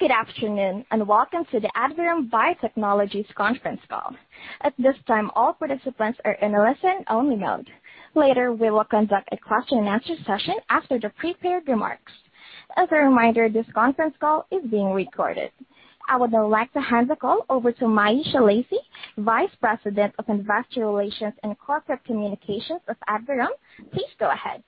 Good afternoon, and welcome to the Adverum Biotechnologies Conference Call. At this time, all participants are in a listen-only mode. Later, we will conduct a question and answer session after the prepared remarks. As a reminder, this conference call is being recorded. I would like to hand the call over to Myesha Lacy, Vice President of Investor Relations and Corporate Communications of Adverum. Please go ahead.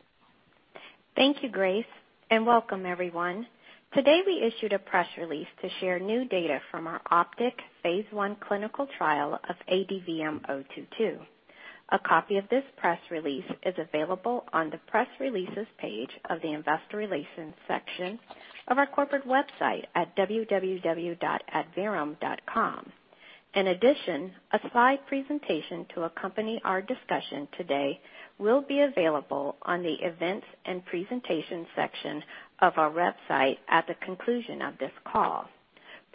Thank you, Grace, and welcome everyone. Today, we issued a press release to share new data from our OPTIC phase I clinical trial of ADVM-022. A copy of this press release is available on the press releases page of the investor relations section of our corporate website at www.adverum.com. A slide presentation to accompany our discussion today will be available on the events and presentations section of our website at the conclusion of this call.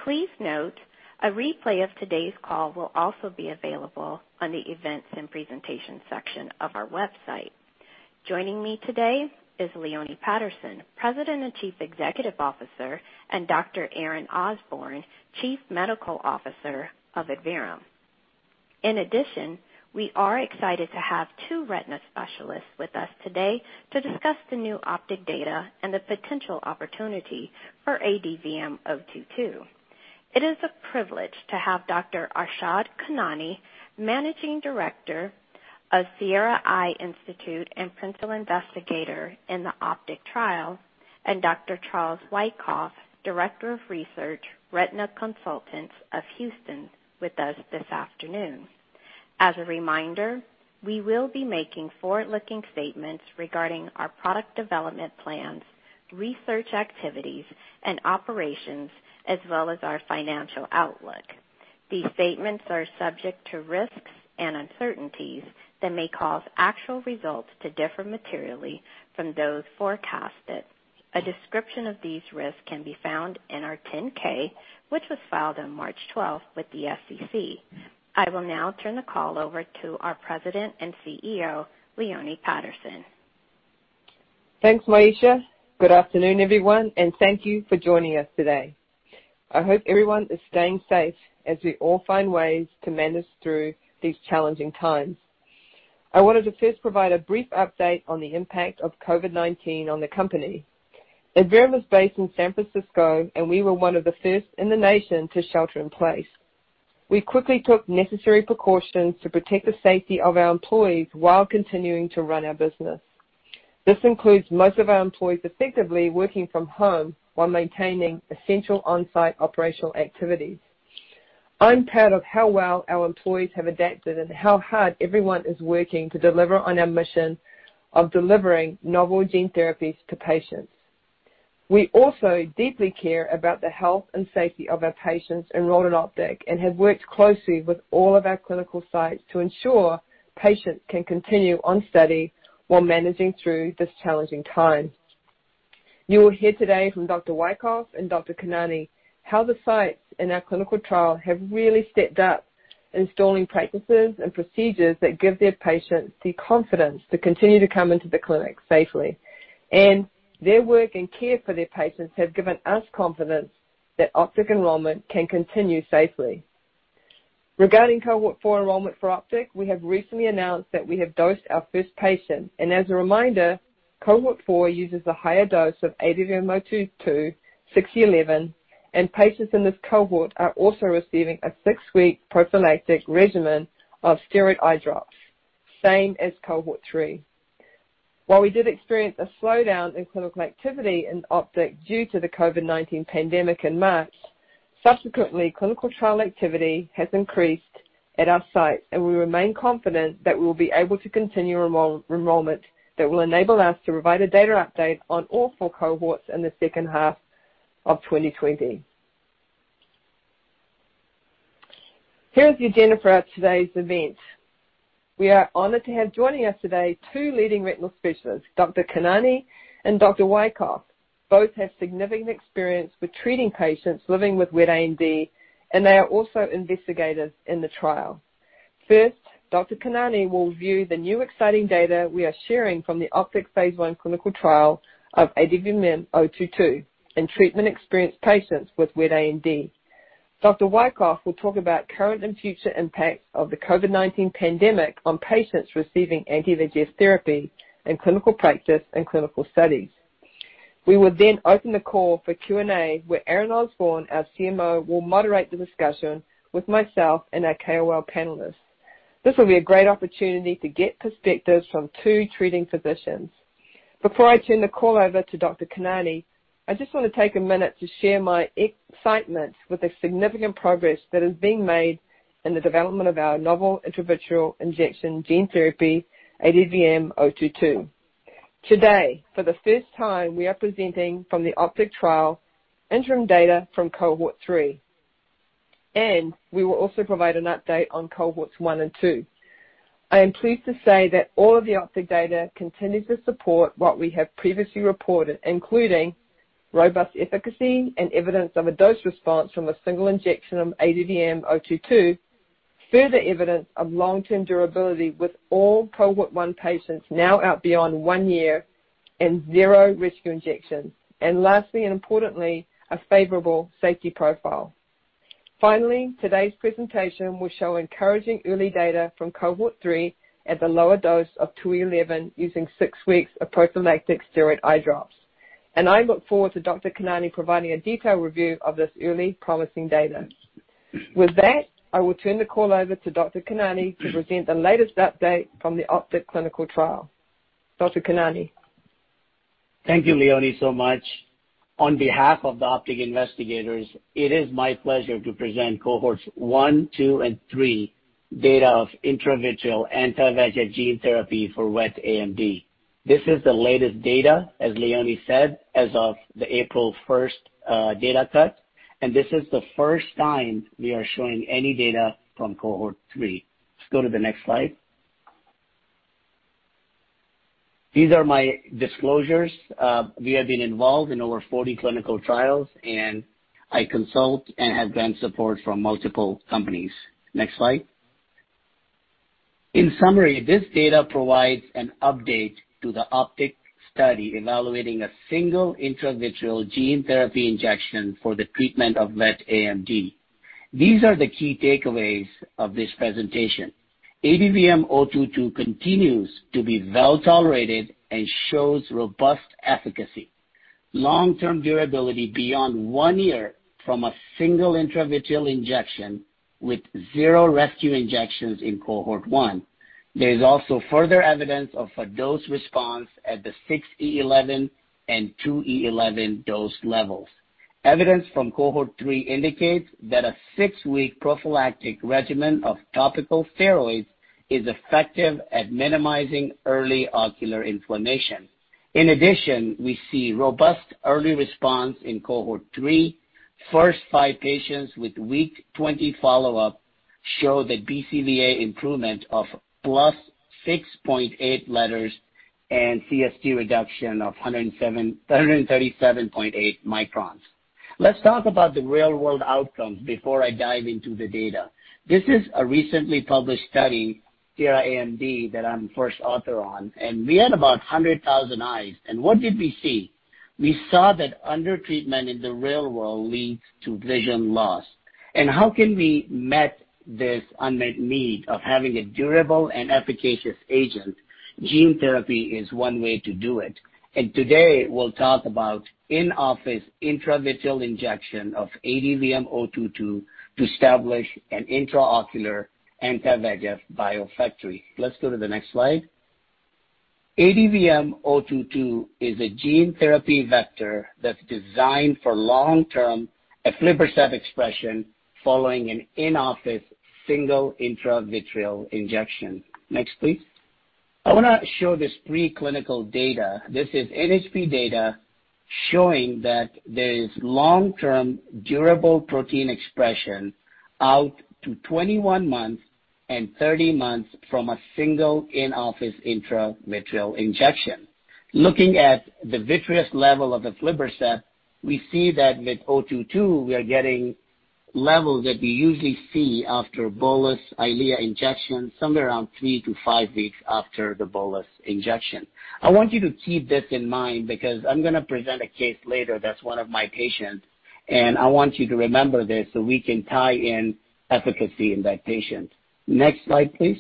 Please note, a replay of today's call will also be available on the events and presentations section of our website. Joining me today is Leone Patterson, President and Chief Executive Officer, and Dr. Aaron Osborne, Chief Medical Officer of Adverum. We are excited to have two retina specialists with us today to discuss the new OPTIC data and the potential opportunity for ADVM-022. It is a privilege to have Dr. Arshad Khanani, Managing Director of Sierra Eye Institute and Principal Investigator in the OPTIC trial, and Dr. Charles Wykoff, Director of Research, Retina Consultants of Houston, with us this afternoon. As a reminder, we will be making forward-looking statements regarding our product development plans, research activities and operations, as well as our financial outlook. These statements are subject to risks and uncertainties that may cause actual results to differ materially from those forecasted. A description of these risks can be found in our 10-K, which was filed on March 12th with the SEC. I will now turn the call over to our President and CEO, Leone Patterson. Thanks, Myesha. Good afternoon, everyone, and thank you for joining us today. I hope everyone is staying safe as we all find ways to manage through these challenging times. I wanted to first provide a brief update on the impact of COVID-19 on the company. Adverum is based in San Francisco, and we were one of the first in the nation to shelter in place. We quickly took necessary precautions to protect the safety of our employees while continuing to run our business. This includes most of our employees effectively working from home while maintaining essential on-site operational activities. I'm proud of how well our employees have adapted and how hard everyone is working to deliver on our mission of delivering novel gene therapies to patients. We also deeply care about the health and safety of our patients enrolled in OPTIC and have worked closely with all of our clinical sites to ensure patients can continue on study while managing through this challenging time. You will hear today from Dr. Wykoff and Dr. Khanani how the sites in our clinical trial have really stepped up installing practices and procedures that give their patients the confidence to continue to come into the clinic safely, and their work and care for their patients have given us confidence that OPTIC enrollment can continue safely. Regarding Cohort 4 enrollment for OPTIC, we have recently announced that we have dosed our first patient. As a reminder, Cohort 4 uses a higher dose of ADVM-022, 6E11, and patients in this Cohort are also receiving a six-week prophylactic regimen of steroid eye drops, same as Cohort 3. While we did experience a slowdown in clinical activity in OPTIC due to the COVID-19 pandemic in March, subsequently, clinical trial activity has increased at our site, and we remain confident that we will be able to continue enrollment that will enable us to provide a data update on all four Cohorts in the second half of 2020. Here is the agenda for today's event. We are honored to have joining us today two leading retinal specialists, Dr. Khanani and Dr. Wykoff. Both have significant experience with treating patients living with wet AMD, and they are also investigators in the trial. First, Dr. Khanani will review the new exciting data we are sharing from the OPTIC phase I clinical trial of ADVM-022 in treatment-experienced patients with wet AMD. Dr. Wykoff will talk about current and future impacts of the COVID-19 pandemic on patients receiving anti-VEGF therapy in clinical practice and clinical studies. We will open the call for Q&A, where Aaron Osborne, our CMO, will moderate the discussion with myself and our KOL panelists. This will be a great opportunity to get perspectives from two treating physicians. Before I turn the call over to Dr. Khanani, I just want to take a minute to share my excitement with the significant progress that is being made in the development of our novel intravitreal injection gene therapy, ADVM-022. Today, for the first time, we are presenting from the OPTIC trial interim data from Cohort 3, and we will also provide an update on Cohorts 1 and 2. I am pleased to say that all of the OPTIC data continues to support what we have previously reported, including robust efficacy and evidence of a dose response from a single injection of ADVM-022. Further evidence of long-term durability with all Cohort 1 patients now out beyond one year and zero rescue injections. Lastly, and importantly, a favorable safety profile. Finally, today's presentation will show encouraging early data from Cohort 3 at the lower dose of 2E11 using six weeks of prophylactic steroid eye drops. I look forward to Dr. Khanani providing a detailed review of this early promising data. With that, I will turn the call over to Dr. Khanani to present the latest update from the OPTIC clinical trial. Dr. Khanani. Thank you, Leone, so much. On behalf of the OPTIC investigators, it is my pleasure to present Cohorts 1, 2, and 3 data of intravitreal anti-VEGF gene therapy for wet AMD. This is the latest data, as Leone said, as of the April 1st data cut. This is the first time we are showing any data from Cohort 3. Let's go to the next slide. These are my disclosures. We have been involved in over 40 clinical trials. I consult and have grant support from multiple companies. Next slide. In summary, this data provides an update to the OPTIC study evaluating a single intravitreal gene therapy injection for the treatment of wet AMD. These are the key takeaways of this presentation. ADVM-022 continues to be well-tolerated and shows robust efficacy, long-term durability beyond one year from a single intravitreal injection with zero rescue injections in Cohort 1. There is also further evidence of a dose response at the 6E11 and 2E11 dose levels. Evidence from Cohort 3 indicates that a six-week prophylactic regimen of topical steroids is effective at minimizing early ocular inflammation. We see robust early response in Cohort 3. First five patients with week 20 follow-up show that BCVA improvement of plus 6.8 letters and CST reduction of 137.8 microns. Let's talk about the real-world outcomes before I dive into the data. This is a recently published study, [the AMD], that I'm first author on, and we had about 100,000 eyes. What did we see? We saw that undertreatment in the real world leads to vision loss. How can we meet this unmet need of having a durable and efficacious agent? Gene therapy is one way to do it. Today, we'll talk about in-office intravitreal injection of ADVM-022 to establish an intraocular anti-VEGF biofactory. Let's go to the next slide. ADVM-022 is a gene therapy vector that's designed for long-term aflibercept expression following an in-office single intravitreal injection. Next, please. I want to show this preclinical data. This is NHP data showing that there is long-term durable protein expression out to 21 months and 30 months from a single in-office intravitreal injection. Looking at the vitreous level of aflibercept, we see that with 022, we are getting levels that we usually see after bolus EYLEA injection, somewhere around three to five weeks after the bolus injection. I want you to keep this in mind because I'm going to present a case later that's one of my patients, and I want you to remember this so we can tie in efficacy in that patient. Next slide, please.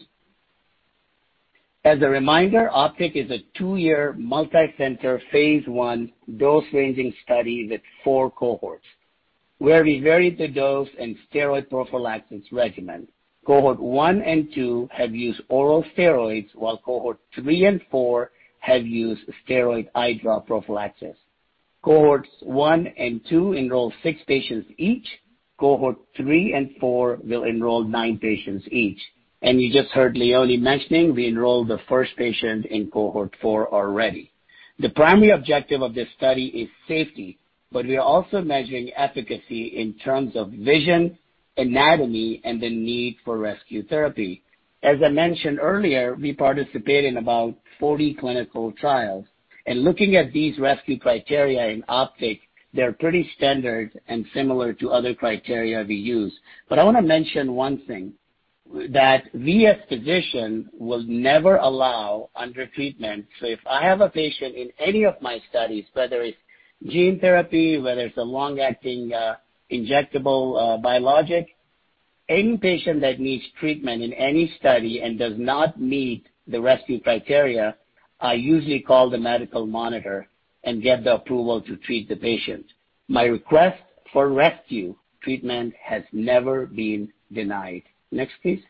As a reminder, OPTIC is a two-year multicenter phase I, dose-ranging study with four Cohorts where we varied the dose and steroid prophylaxis regimen. Cohort 1 and 2 have used oral steroids, while Cohort 3 and 4 have used steroid eye drop prophylaxis. Cohorts 1 and 2 enroll six patients each. Cohort 3 and 4 will enroll nine patients each. You just heard Leone mentioning, we enrolled the first patient in Cohort 4 already. The primary objective of this study is safety, but we are also measuring efficacy in terms of vision, anatomy, and the need for rescue therapy. As I mentioned earlier, we participate in about 40 clinical trials, and looking at these rescue criteria in OPTIC, they're pretty standard and similar to other criteria we use. I want to mention one thing, that we as physicians will never allow undertreatment. If I have a patient in any of my studies, whether it is gene therapy, whether it is a long-acting injectable biologic, any patient that needs treatment in any study and does not meet the rescue criteria, I usually call the medical monitor and get the approval to treat the patient. My request for rescue treatment has never been denied. Next, please.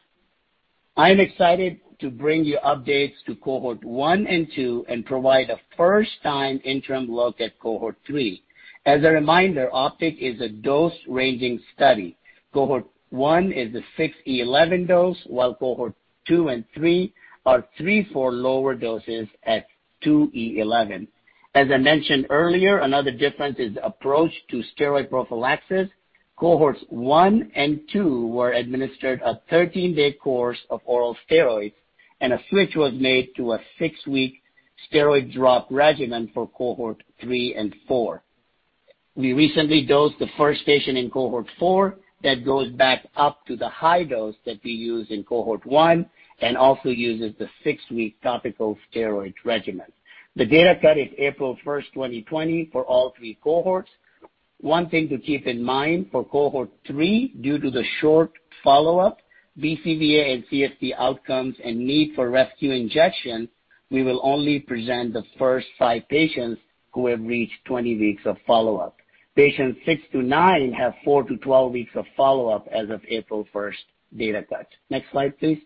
I am excited to bring you updates to Cohort 1 and 2 and provide a first-time interim look at Cohort 3. As a reminder, OPTIC is a dose-ranging study. Cohort 1 is a 6E11 dose, while Cohort 2 and 3 are three full lower doses at 2E11. As I mentioned earlier, another difference is approach to steroid prophylaxis. Cohorts 1 and 2 were administered a 13-day course of oral steroids, and a switch was made to a six-week steroid drop regimen for Cohort 3 and 4. We recently dosed the first patient in Cohort 4 that goes back up to the high dose that we used in Cohort 1 and also uses the six-week topical steroid regimen. The data cut is April 1st, 2020, for all three Cohorts. One thing to keep in mind, for Cohort 3, due to the short follow-up, BCVA and CST outcomes and need for rescue injection, we will only present the first five patients who have reached 20 weeks of follow-up. Patients six to nine have four to 12 weeks of follow-up as of April 1st data cut. Next slide, please.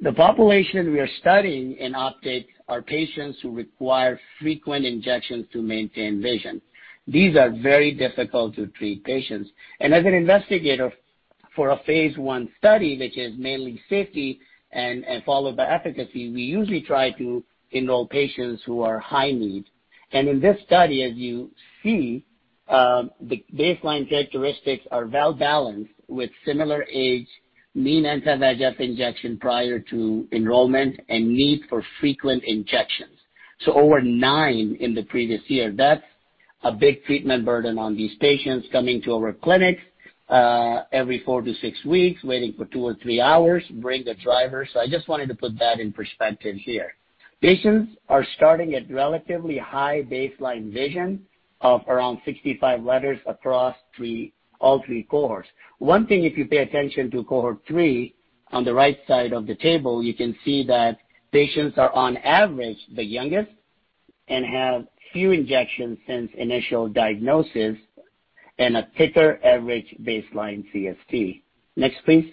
The population we are studying in update are patients who require frequent injections to maintain vision. These are very difficult to treat patients. As an investigator for a phase I study, which is mainly safety and followed by efficacy, we usually try to enroll patients who are high need. In this study, as you see, the baseline characteristics are well-balanced with similar age, mean anti-VEGF injection prior to enrollment, and need for frequent injections. Over nine in the previous year. That's a big treatment burden on these patients coming to our clinics every four to six weeks, waiting for two or three hours, bring the driver. I just wanted to put that in perspective here. Patients are starting at relatively high baseline vision of around 65 letters across all three Cohorts. One thing if you pay attention to Cohort 3, on the right side of the table, you can see that patients are on average the youngest and have few injections since initial diagnosis and a thicker average baseline CST. Next, please.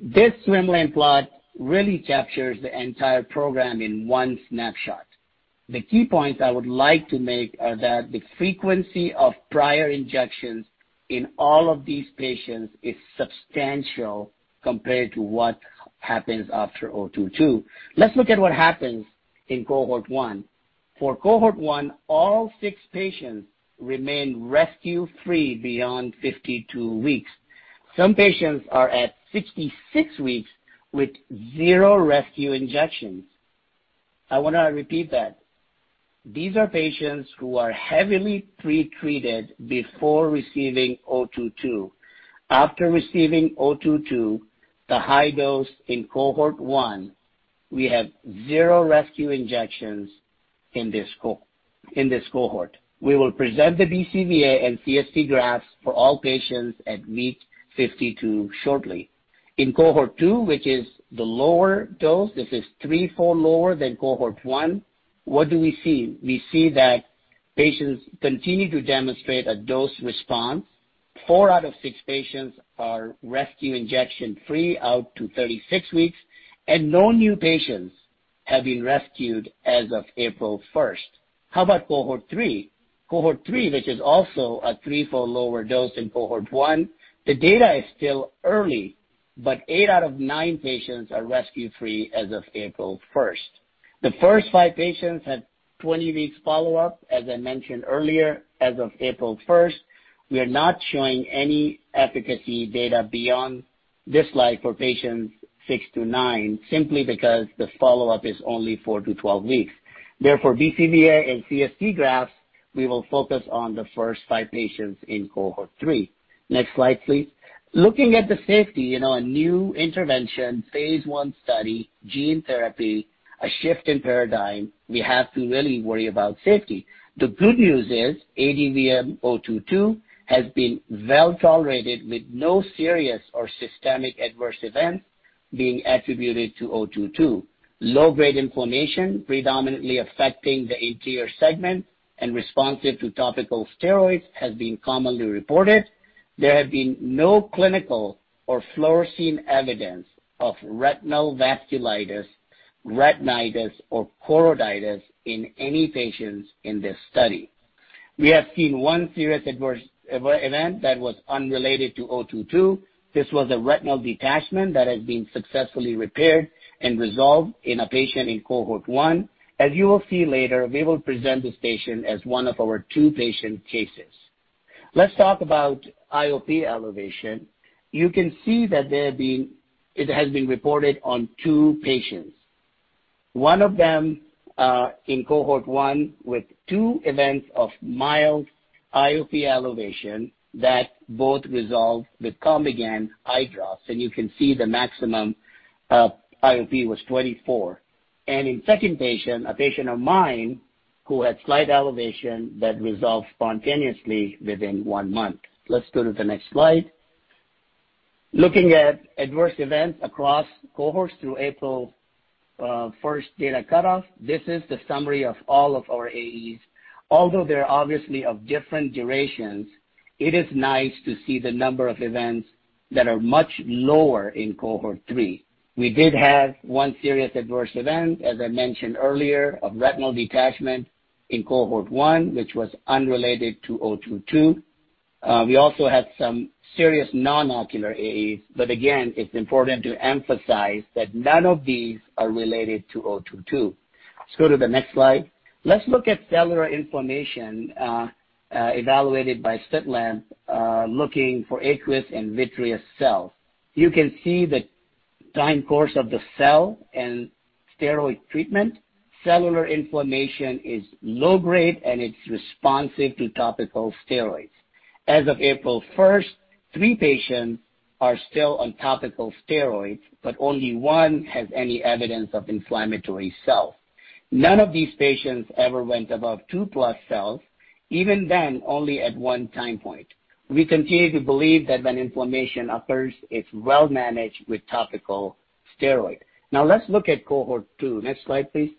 This swim lane plot really captures the entire program in one snapshot. The key points I would like to make are that the frequency of prior injections in all of these patients is substantial compared to what happens after 022. Let's look at what happens in Cohort 1. For Cohort 1, all six patients remain rescue-free beyond 52 weeks. Some patients are at 66 weeks with zero rescue injections. I want to repeat that. These are patients who are heavily pre-treated before receiving 022. After receiving 022, the high dose in Cohort 1, we have zero rescue injections in this Cohort. We will present the BCVA and CST graphs for all patients at week 52 shortly. In Cohort 2, which is the lower dose, this is threefold lower than Cohort 1, what do we see? We see that patients continue to demonstrate a dose response. Four out of six patients are rescue injection-free out to 36 weeks, and no new patients have been rescued as of April 1st. How about Cohort 3? Cohort 3, which is also a threefold lower dose than Cohort 1, the data is still early, eight out of nine patients are rescue-free as of April 1st. The first five patients had 20 weeks follow-up, as I mentioned earlier, as of April 1st. We are not showing any efficacy data beyond this slide for patients six to nine, simply because the follow-up is only four to 12 weeks. BCVA and CST graphs, we will focus on the first five patients in Cohort 3. Next slide, please. Looking at the safety, a new intervention, phase I study, gene therapy, a shift in paradigm, we have to really worry about safety. The good news is ADVM-022 has been well-tolerated with no serious or systemic adverse events being attributed to 022. Low-grade inflammation predominantly affecting the anterior segment and responsive to topical steroids has been commonly reported. There have been no clinical or fluorescein evidence of retinal vasculitis, retinitis, or choroiditis in any patients in this study. We have seen one serious adverse event that was unrelated to 022. This was a retinal detachment that has been successfully repaired and resolved in a patient in Cohort 1. As you will see later, we will present this patient as one of our two patient cases. Let's talk about IOP elevation. You can see that it has been reported on two patients. One of them in Cohort 1 with two events of mild IOP elevation that both resolved with COMBIGAN eye drops, and you can see the maximum IOP was 24. In second patient, a patient of mine, who had slight elevation that resolved spontaneously within one month. Let's go to the next slide. Looking at adverse events across Cohorts through April 1st data cutoff, this is the summary of all of our AEs. Although they're obviously of different durations, it is nice to see the number of events that are much lower in Cohort 3. We did have one serious adverse event, as I mentioned earlier, of retinal detachment in Cohort 1, which was unrelated to 022. We also had some serious non-ocular AEs. Again, it's important to emphasize that none of these are related to 022. Let's go to the next slide. Let's look at cellular inflammation evaluated by slit lamp looking for aqueous and vitreous cells. You can see that the time course of the cell and steroid treatment. Cellular inflammation is low grade and it's responsive to topical steroids. As of April 1st, three patients are still on topical steroids, but only one has any evidence of inflammatory cells. None of these patients ever went above two plus cells, even then, only at one time point. We continue to believe that when inflammation occurs, it's well-managed with topical steroid. Let's look at Cohort two. Next slide, please.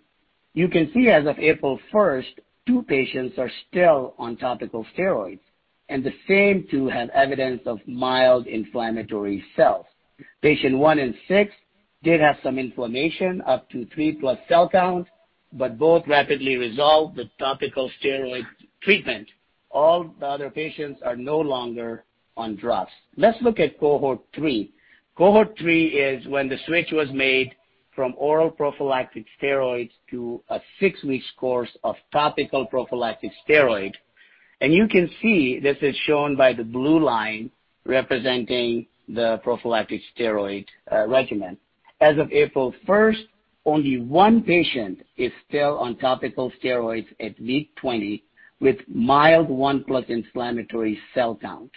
You can see as of April 1st, two patients are still on topical steroids, and the same two have evidence of mild inflammatory cells. Patient one and six did have some inflammation up to three plus cell counts, but both rapidly resolved with topical steroid treatment. All the other patients are no longer on drops. Let's look at Cohort 3. Cohort 3 is when the switch was made from oral prophylactic steroids to a six weeks course of topical prophylactic steroid. You can see this is shown by the blue line representing the prophylactic steroid regimen. As of April 1st, only one patient is still on topical steroids at week 20 with mild 1+ inflammatory cell count.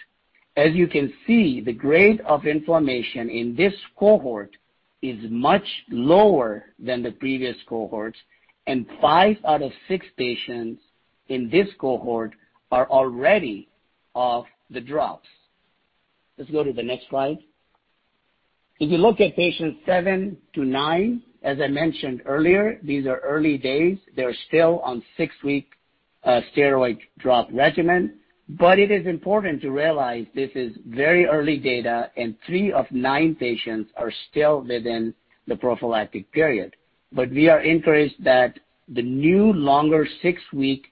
As you can see, the grade of inflammation in this Cohort is much lower than the previous Cohorts, and five out of six patients in this Cohort are already off the drops. Let's go to the next slide. If you look at patient seven to nine, as I mentioned earlier, these are early days. They're still on six-week steroid drop regimen. It is important to realize this is very early data, and three of nine patients are still within the prophylactic period. We are encouraged that the new longer six-week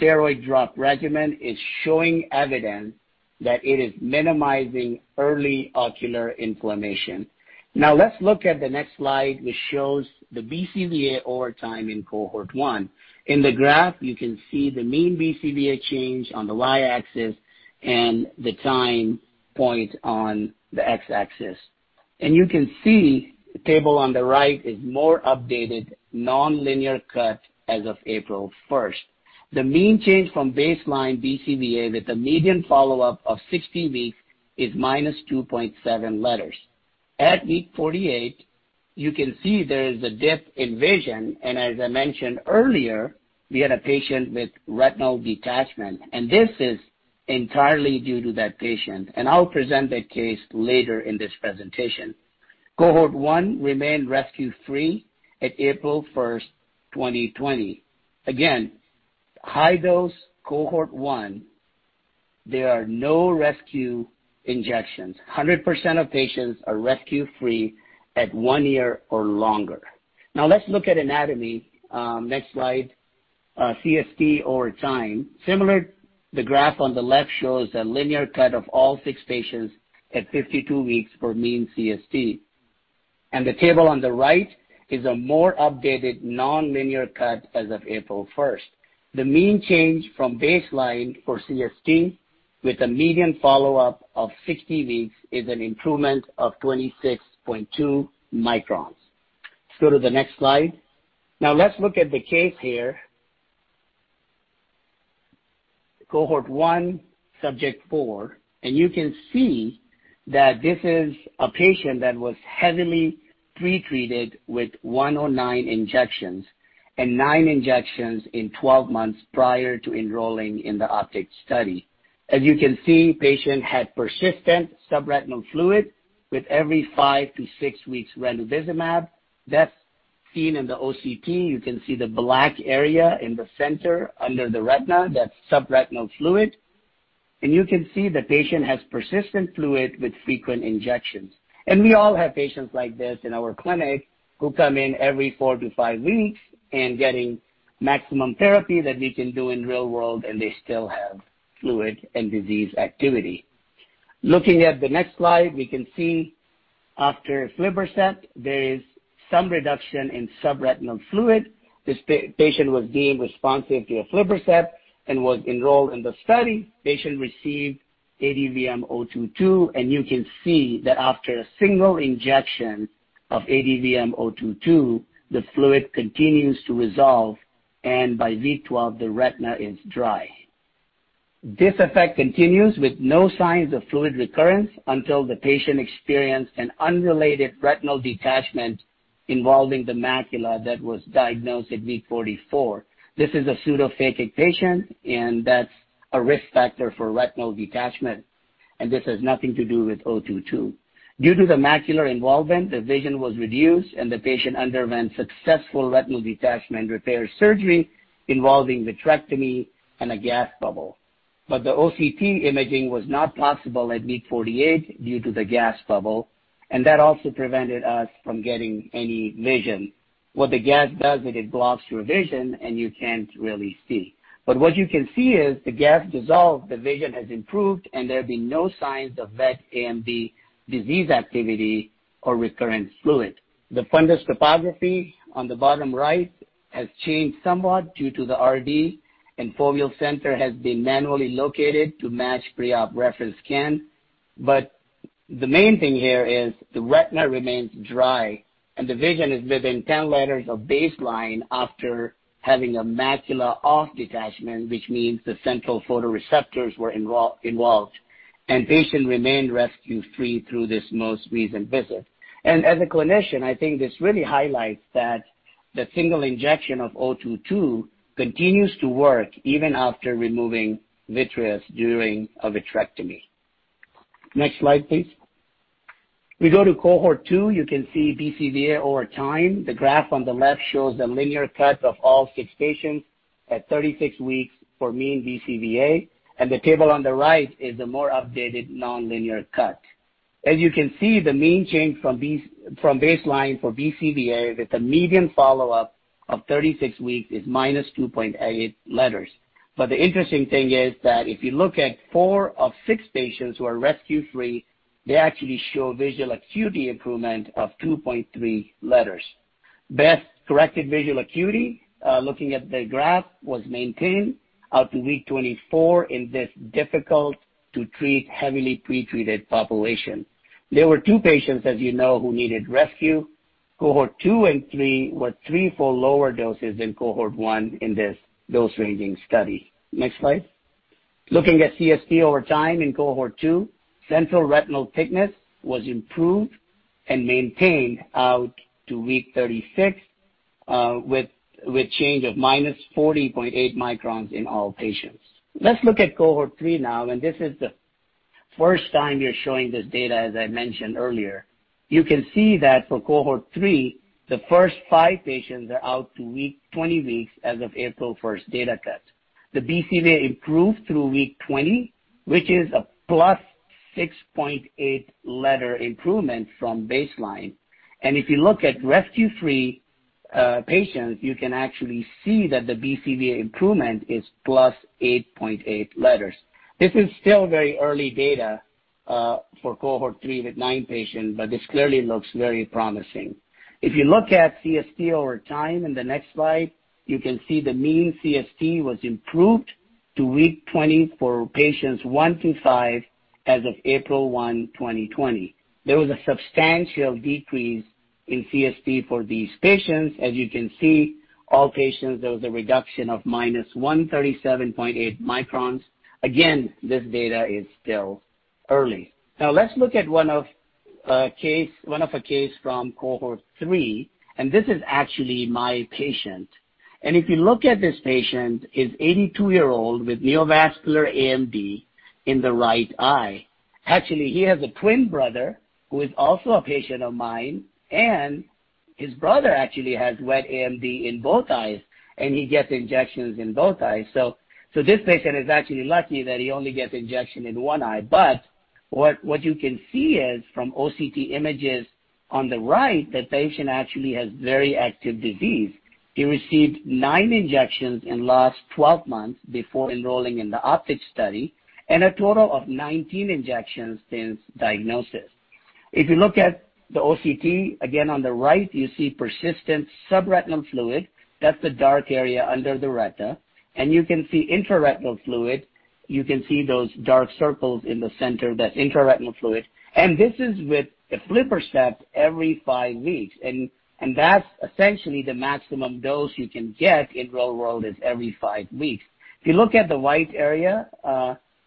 steroid drop regimen is showing evidence that it is minimizing early ocular inflammation. Now let's look at the next slide, which shows the BCVA over time in Cohort 1. In the graph, you can see the mean BCVA change on the y-axis and the time point on the x-axis. You can see the table on the right is more updated non-linear cut as of April 1st. The mean change from baseline BCVA with a median follow-up of 60 weeks is -2.7 letters. At week 48, you can see there is a dip in vision, and as I mentioned earlier, we had a patient with retinal detachment, and this is entirely due to that patient, and I'll present that case later in this presentation. Cohort 1 remained rescue-free at April 1st, 2020. High dose Cohort 1, there are no rescue injections. 100% of patients are rescue-free at one year or longer. Let's look at anatomy. Next slide, CST over time. The graph on the left shows a linear cut of all six patients at 52 weeks for mean CST. The table on the right is a more updated non-linear cut as of April 1st. The mean change from baseline for CST with a median follow-up of 60 weeks is an improvement of 26.2 microns. Let's go to the next slide. Let's look at the case here. Cohort one, subject four, you can see that this is a patient that was heavily pretreated with 109 injections and nine injections in 12 months prior to enrolling in the OPTIC study. You can see, patient had persistent subretinal fluid with every five to six weeks ranibizumab. That's seen in the OCT. You can see the black area in the center under the retina, that's subretinal fluid. You can see the patient has persistent fluid with frequent injections. We all have patients like this in our clinic who come in every four to five weeks and getting maximum therapy that we can do in real world, and they still have fluid and disease activity. Looking at the next slide, we can see after aflibercept, there is some reduction in subretinal fluid. This patient was deemed responsive to aflibercept and was enrolled in the study. Patient received ADVM-022, you can see that after a single injection of ADVM-022, the fluid continues to resolve, and by week 12, the retina is dry. This effect continues with no signs of fluid recurrence until the patient experienced an unrelated retinal detachment involving the macula that was diagnosed at week 44. This is a pseudophakic patient, that's a risk factor for retinal detachment, and this has nothing to do with ADVM-022. Due to the macular involvement, the vision was reduced and the patient underwent successful retinal detachment repair surgery involving vitrectomy and a gas bubble. The OCT imaging was not possible at week 48 due to the gas bubble, and that also prevented us from getting any vision. What the gas does is it blocks your vision, and you can't really see. What you can see is the gas dissolved, the vision has improved, and there have been no signs of wet AMD disease activity or recurrent fluid. The fundus topography on the bottom right has changed somewhat due to the RD, and foveal center has been manually located to match pre-op reference scan. The main thing here is the retina remains dry and the vision is within 10 letters of baseline after having a macula off detachment, which means the central photoreceptors were involved, and patient remained rescue-free through this most recent visit. As a clinician, I think this really highlights that the single injection of 022 continues to work even after removing vitreous during a vitrectomy. Next slide, please. We go to Cohort 2, you can see BCVA over time. The graph on the left shows the linear cut of all six patients at 36 weeks for mean BCVA, and the table on the right is the more updated non-linear cut. As you can see, the mean change from baseline for BCVA with a median follow-up of 36 weeks is -2.8 letters. The interesting thing is that if you look at four of six patients who are rescue-free, they actually show visual acuity improvement of 2.3 letters. Best corrected visual acuity, looking at the graph, was maintained out to week 24 in this difficult-to-treat, heavily pretreated population. There were two patients, as you know, who needed rescue. Cohort 2 and 3 were three full lower doses than Cohort 1 in this dose-ranging study. Next slide. Looking at CST over time in Cohort 2, central retinal thickness was improved and maintained out to week 36, with change of -40.8 microns in all patients. This is the first time you're showing this data, as I mentioned earlier. You can see that for Cohort 3, the first five patients are out to 20 weeks as of April 1st data cut. The BCVA improved through week 20, which is a plus 6.8 letter improvement from baseline. If you look at rescue-free patients, you can actually see that the BCVA improvement is plus 8.8 letters. This is still very early data for Cohort 3 with nine patients. This clearly looks very promising. If you look at CST over time in the next slide, you can see the mean CST was improved to week 20 for patients 1 to 5 as of April 1, 2020. There was a substantial decrease in CST for these patients. As you can see, all patients, there was a reduction of -137.8 microns. Again, this data is still early. Let's look at one of a case from Cohort 3, this is actually my patient. If you look at this patient, he's 82 years old with neovascular AMD in the right eye. Actually, he has a twin brother who is also a patient of mine, his brother actually has wet AMD in both eyes, he gets injections in both eyes. This patient is actually lucky that he only gets injection in one eye. What you can see is from OCT images on the right, the patient actually has very active disease. He received nine injections in the last 12 months before enrolling in the OPTIC study and a total of 19 injections since diagnosis. If you look at the OCT, again on the right, you see persistent subretinal fluid. That's the dark area under the retina. You can see intraretinal fluid. You can see those dark circles in the center, that's intraretinal fluid. This is with aflibercept every five weeks, and that's essentially the maximum dose you can get in real world is every five weeks. If you look at the white area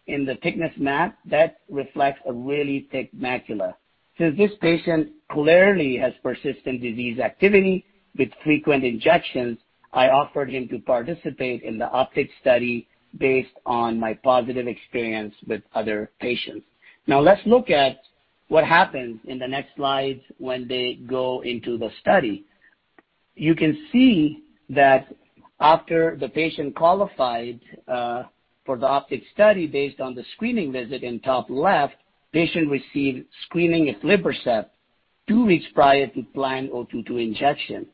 in the thickness map, that reflects a really thick macula. Since this patient clearly has persistent disease activity with frequent injections, I offered him to participate in the OPTIC study based on my positive experience with other patients. Let's look at what happens in the next slides when they go into the study. You can see that after the patient qualified for the OPTIC study based on the screening visit in top left, patient received screening aflibercept two weeks prior to planned 022 injection.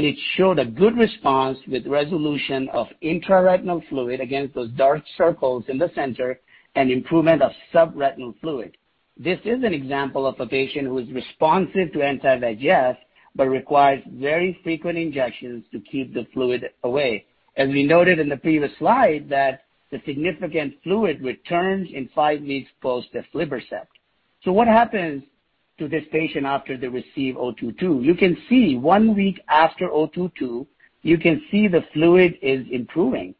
It showed a good response with resolution of intraretinal fluid against those dark circles in the center and improvement of subretinal fluid. This is an example of a patient who is responsive to anti-VEGF but requires very frequent injections to keep the fluid away. As we noted in the previous slide, that the significant fluid returns in five weeks post aflibercept. What happens to this patient after they receive 022? You can see one week after 022, you can see the fluid is improving.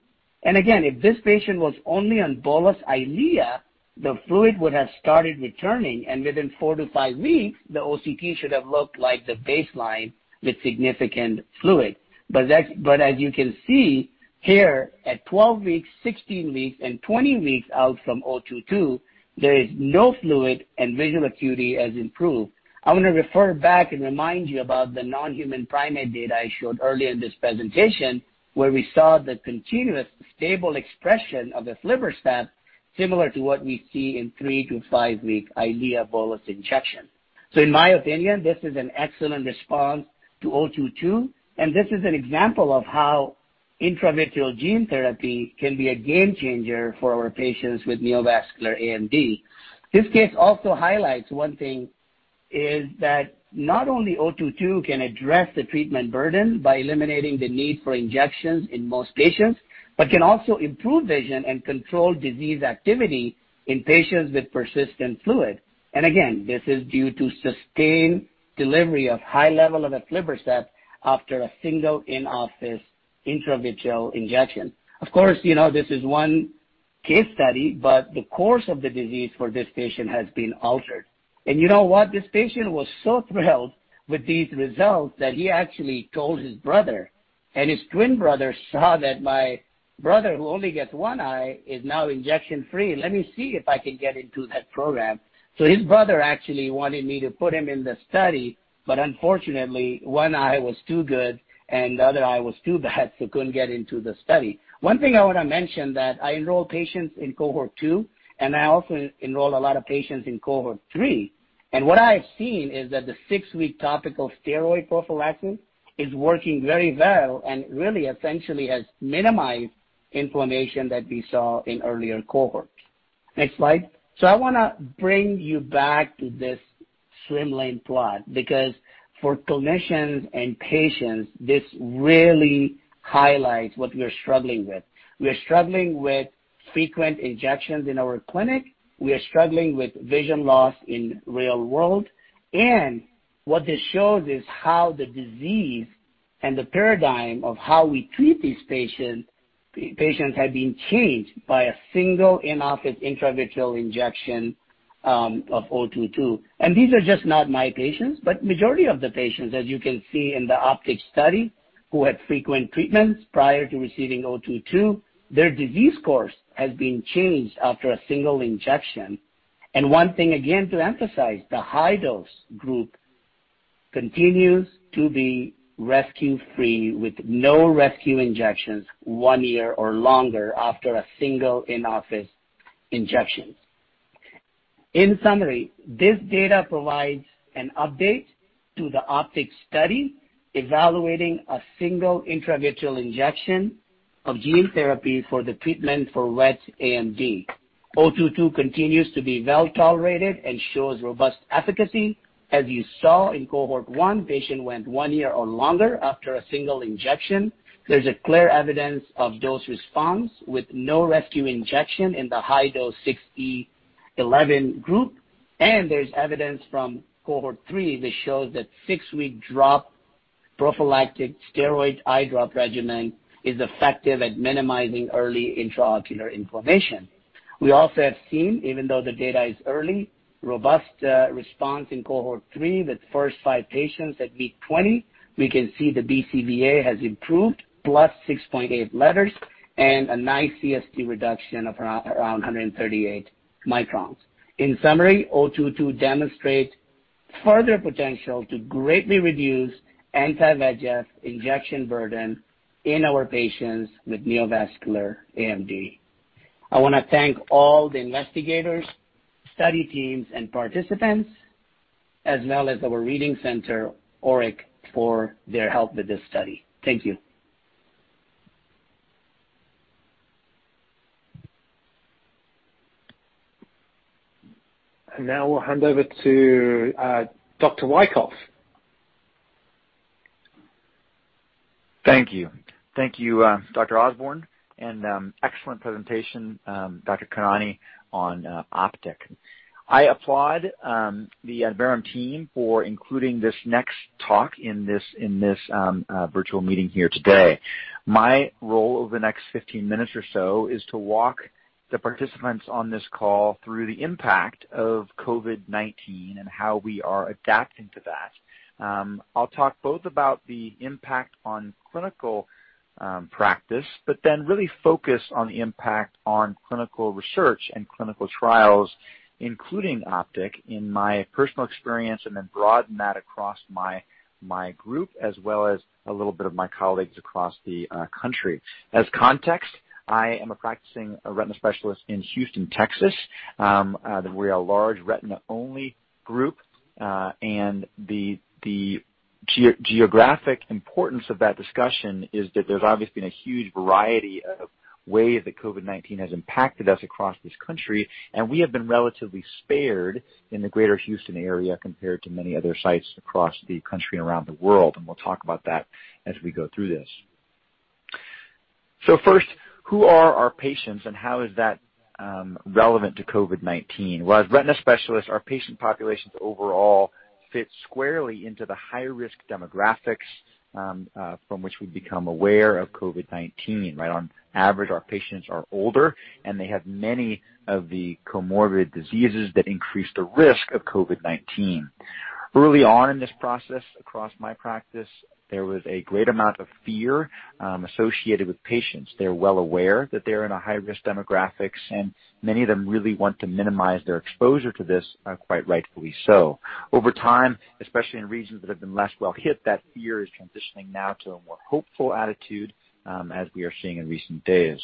Again, if this patient was only on bolus EYLEA, the fluid would have started returning, and within four to five weeks, the OCT should have looked like the baseline with significant fluid. As you can see here at 12 weeks, 16 weeks, and 20 weeks out from 022, there is no fluid and visual acuity has improved. I want to refer back and remind you about the non-human primate data I showed earlier in this presentation, where we saw the continuous stable expression of aflibercept similar to what we see in three-to-five-week EYLEA bolus injection. In my opinion, this is an excellent response to 022, and this is an example of how intravitreal gene therapy can be a game changer for our patients with neovascular AMD. This case also highlights one thing. That not only ADVM-022 can address the treatment burden by eliminating the need for injections in most patients, but can also improve vision and control disease activity in patients with persistent fluid. Again, this is due to sustained delivery of high level of aflibercept after a single in-office intravitreal injection. Of course, this is one case study, the course of the disease for this patient has been altered. You know what? This patient was so thrilled with these results that he actually told his brother, His twin brother saw that my brother, who only gets one eye, is now injection-free. Let me see if I can get into that program. His brother actually wanted me to put him in the study, but unfortunately, one eye was too good and the other eye was too bad, so he couldn't get into the study. One thing I want to mention that I enroll patients in Cohort 2, and I also enroll a lot of patients in Cohort 3. What I have seen is that the six-week topical steroid prophylaxis is working very well and really essentially has minimized inflammation that we saw in earlier Cohorts. Next slide. I want to bring you back to this swim lane plot, because for clinicians and patients, this really highlights what we're struggling with. We are struggling with frequent injections in our clinic. We are struggling with vision loss in real world. What this shows is how the disease and the paradigm of how we treat these patients have been changed by a single in-office intravitreal injection of ADVM-022. These are just not my patients, but majority of the patients, as you can see in the OPTIC study, who had frequent treatments prior to receiving ADVM-022, their disease course has been changed after a single injection. One thing, again, to emphasize, the high-dose group continues to be rescue free with no rescue injections one year or longer after a single in-office injection. In summary, this data provides an update to the OPTIC study evaluating a single intravitreal injection of gene therapy for the treatment for wet AMD. ADVM-022 continues to be well-tolerated and shows robust efficacy. As you saw in Cohort 1, patient went one year or longer after a single injection. There's a clear evidence of dose response with no rescue injection in the high-dose 6E11 group. There's evidence from Cohort 3 that shows that six-week drop prophylactic steroid eye drop regimen is effective at minimizing early intraocular inflammation. We also have seen, even though the data is early, robust response in Cohort 3 with first five patients at week 20. We can see the BCVA has improved, plus 6.8 letters and a nice CST reduction of around 138 microns. In summary, ADVM-022 demonstrate further potential to greatly reduce anti-VEGF injection burden in our patients with neovascular AMD. I want to thank all the investigators, study teams, and participants, as well as our reading center, ORIC, for their help with this study. Thank you. Now we'll hand over to Dr. Wykoff. Thank you, Dr. Osborne, and excellent presentation, Dr. Khanani, on OPTIC. I applaud the Adverum team for including this next talk in this virtual meeting here today. My role over the next 15 minutes or so is to walk the participants on this call through the impact of COVID-19 and how we are adapting to that. I'll talk both about the impact on clinical practice, but then really focus on the impact on clinical research and clinical trials, including OPTIC, in my personal experience, and then broaden that across my group as well as a little bit of my colleagues across the country. As context, I am a practicing retina specialist in Houston, Texas. We're a large retina-only group. The geographic importance of that discussion is that there's obviously been a huge variety of ways that COVID-19 has impacted us across this country, and we have been relatively spared in the greater Houston area compared to many other sites across the country and around the world, and we'll talk about that as we go through this. First, who are our patients and how is that relevant to COVID-19? Well, as retina specialists, our patient populations overall fit squarely into the high-risk demographics from which we've become aware of COVID-19, right? On average, our patients are older, and they have many of the comorbid diseases that increase the risk of COVID-19. Early on in this process, across my practice, there was a great amount of fear associated with patients. They're well aware that they're in a high-risk demographics, and many of them really want to minimize their exposure to this, quite rightfully so. Over time, especially in regions that have been less well hit, that fear is transitioning now to a more hopeful attitude as we are seeing in recent days.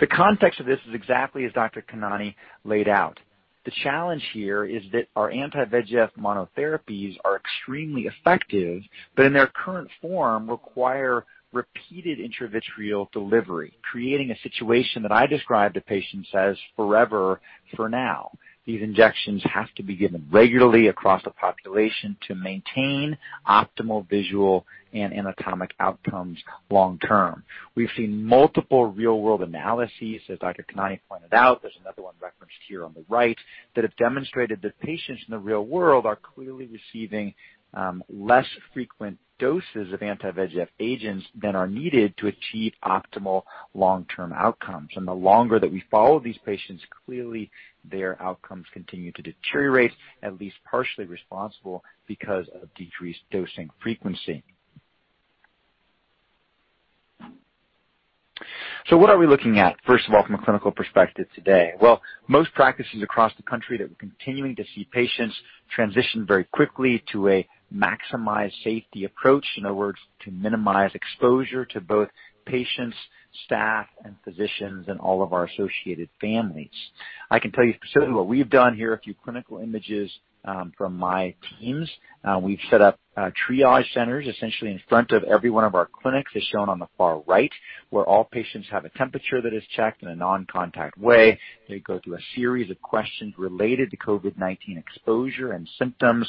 The context of this is exactly as Dr. Khanani laid out. The challenge here is that our anti-VEGF monotherapies are extremely effective, but in their current form require repeated intravitreal delivery, creating a situation that I describe to patients as forever, for now. These injections have to be given regularly across a population to maintain optimal visual and anatomic outcomes long-term. We've seen multiple real-world analyses, as Dr. Khanani pointed out, there's another one referenced here on the right, that have demonstrated that patients in the real world are clearly receiving less frequent doses of anti-VEGF agents than are needed to achieve optimal long-term outcomes. The longer that we follow these patients, clearly their outcomes continue to deteriorate, at least partially responsible because of decreased dosing frequency. What are we looking at, first of all, from a clinical perspective today? Well, most practices across the country that we're continuing to see patients transition very quickly to a maximized safety approach. In other words, to minimize exposure to both patients, staff, and physicians, and all of our associated families. I can tell you specifically what we've done here, a few clinical images from my teams. We've set up triage centers, essentially in front of every one of our clinics, as shown on the far right, where all patients have a temperature that is checked in a non-contact way. They go through a series of questions related to COVID-19 exposure and symptoms.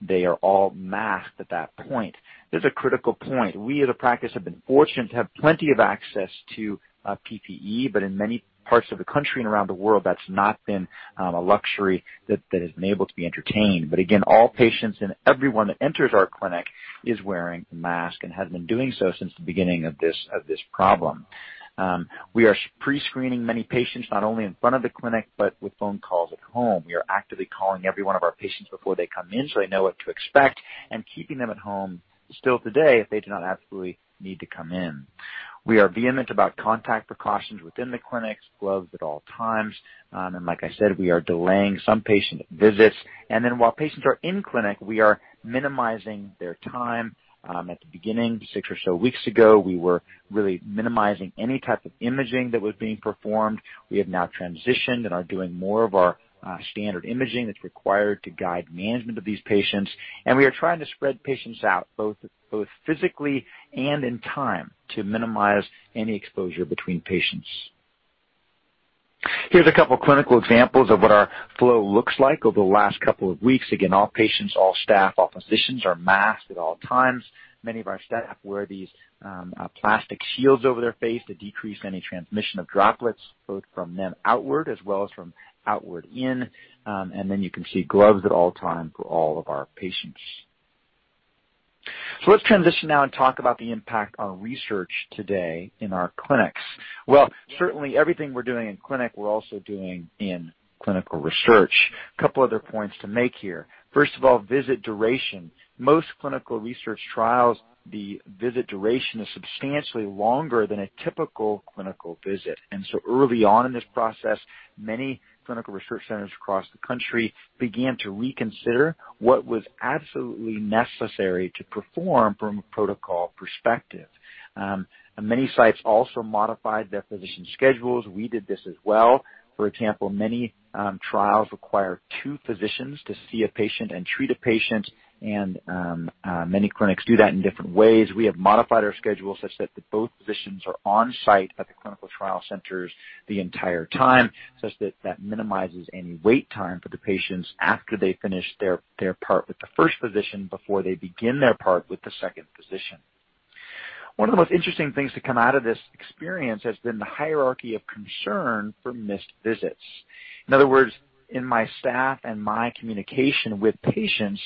They are all masked at that point. This is a critical point. We, as a practice, have been fortunate to have plenty of access to PPE, but in many parts of the country and around the world, that's not been a luxury that has been able to be entertained. Again, all patients and everyone that enters our clinic is wearing a mask and has been doing so since the beginning of this problem. We are pre-screening many patients, not only in front of the clinic, but with phone calls at home. We are actively calling every one of our patients before they come in so they know what to expect, and keeping them at home still today, if they do not absolutely need to come in. We are vehement about contact precautions within the clinics, gloved at all times. Like I said, we are delaying some patient visits. While patients are in clinic, we are minimizing their time. At the beginning, six or so weeks ago, we were really minimizing any type of imaging that was being performed. We have now transitioned and are doing more of our standard imaging that's required to guide management of these patients. We are trying to spread patients out, both physically and in time, to minimize any exposure between patients. Here's a couple clinical examples of what our flow looks like over the last couple of weeks. All patients, all staff, all physicians are masked at all times. Many of our staff wear these plastic shields over their face to decrease any transmission of droplets, both from them outward, as well as from outward in. You can see gloves at all times for all of our patients. Let's transition now and talk about the impact on research today in our clinics. Well, certainly everything we're doing in clinic, we're also doing in clinical research. Couple other points to make here. First of all, visit duration. Most clinical research trials, the visit duration is substantially longer than a typical clinical visit. Early on in this process, many clinical research centers across the country began to reconsider what was absolutely necessary to perform from a protocol perspective. Many sites also modified their physician schedules. We did this as well. For example, many trials require two physicians to see a patient and treat a patient, and many clinics do that in different ways. We have modified our schedule such that both physicians are on-site at the clinical trial centers the entire time, such that minimizes any wait time for the patients after they finish their part with the first physician, before they begin their part with the second physician. One of the most interesting things to come out of this experience has been the hierarchy of concern for missed visits. In other words, in my staff and my communication with patients,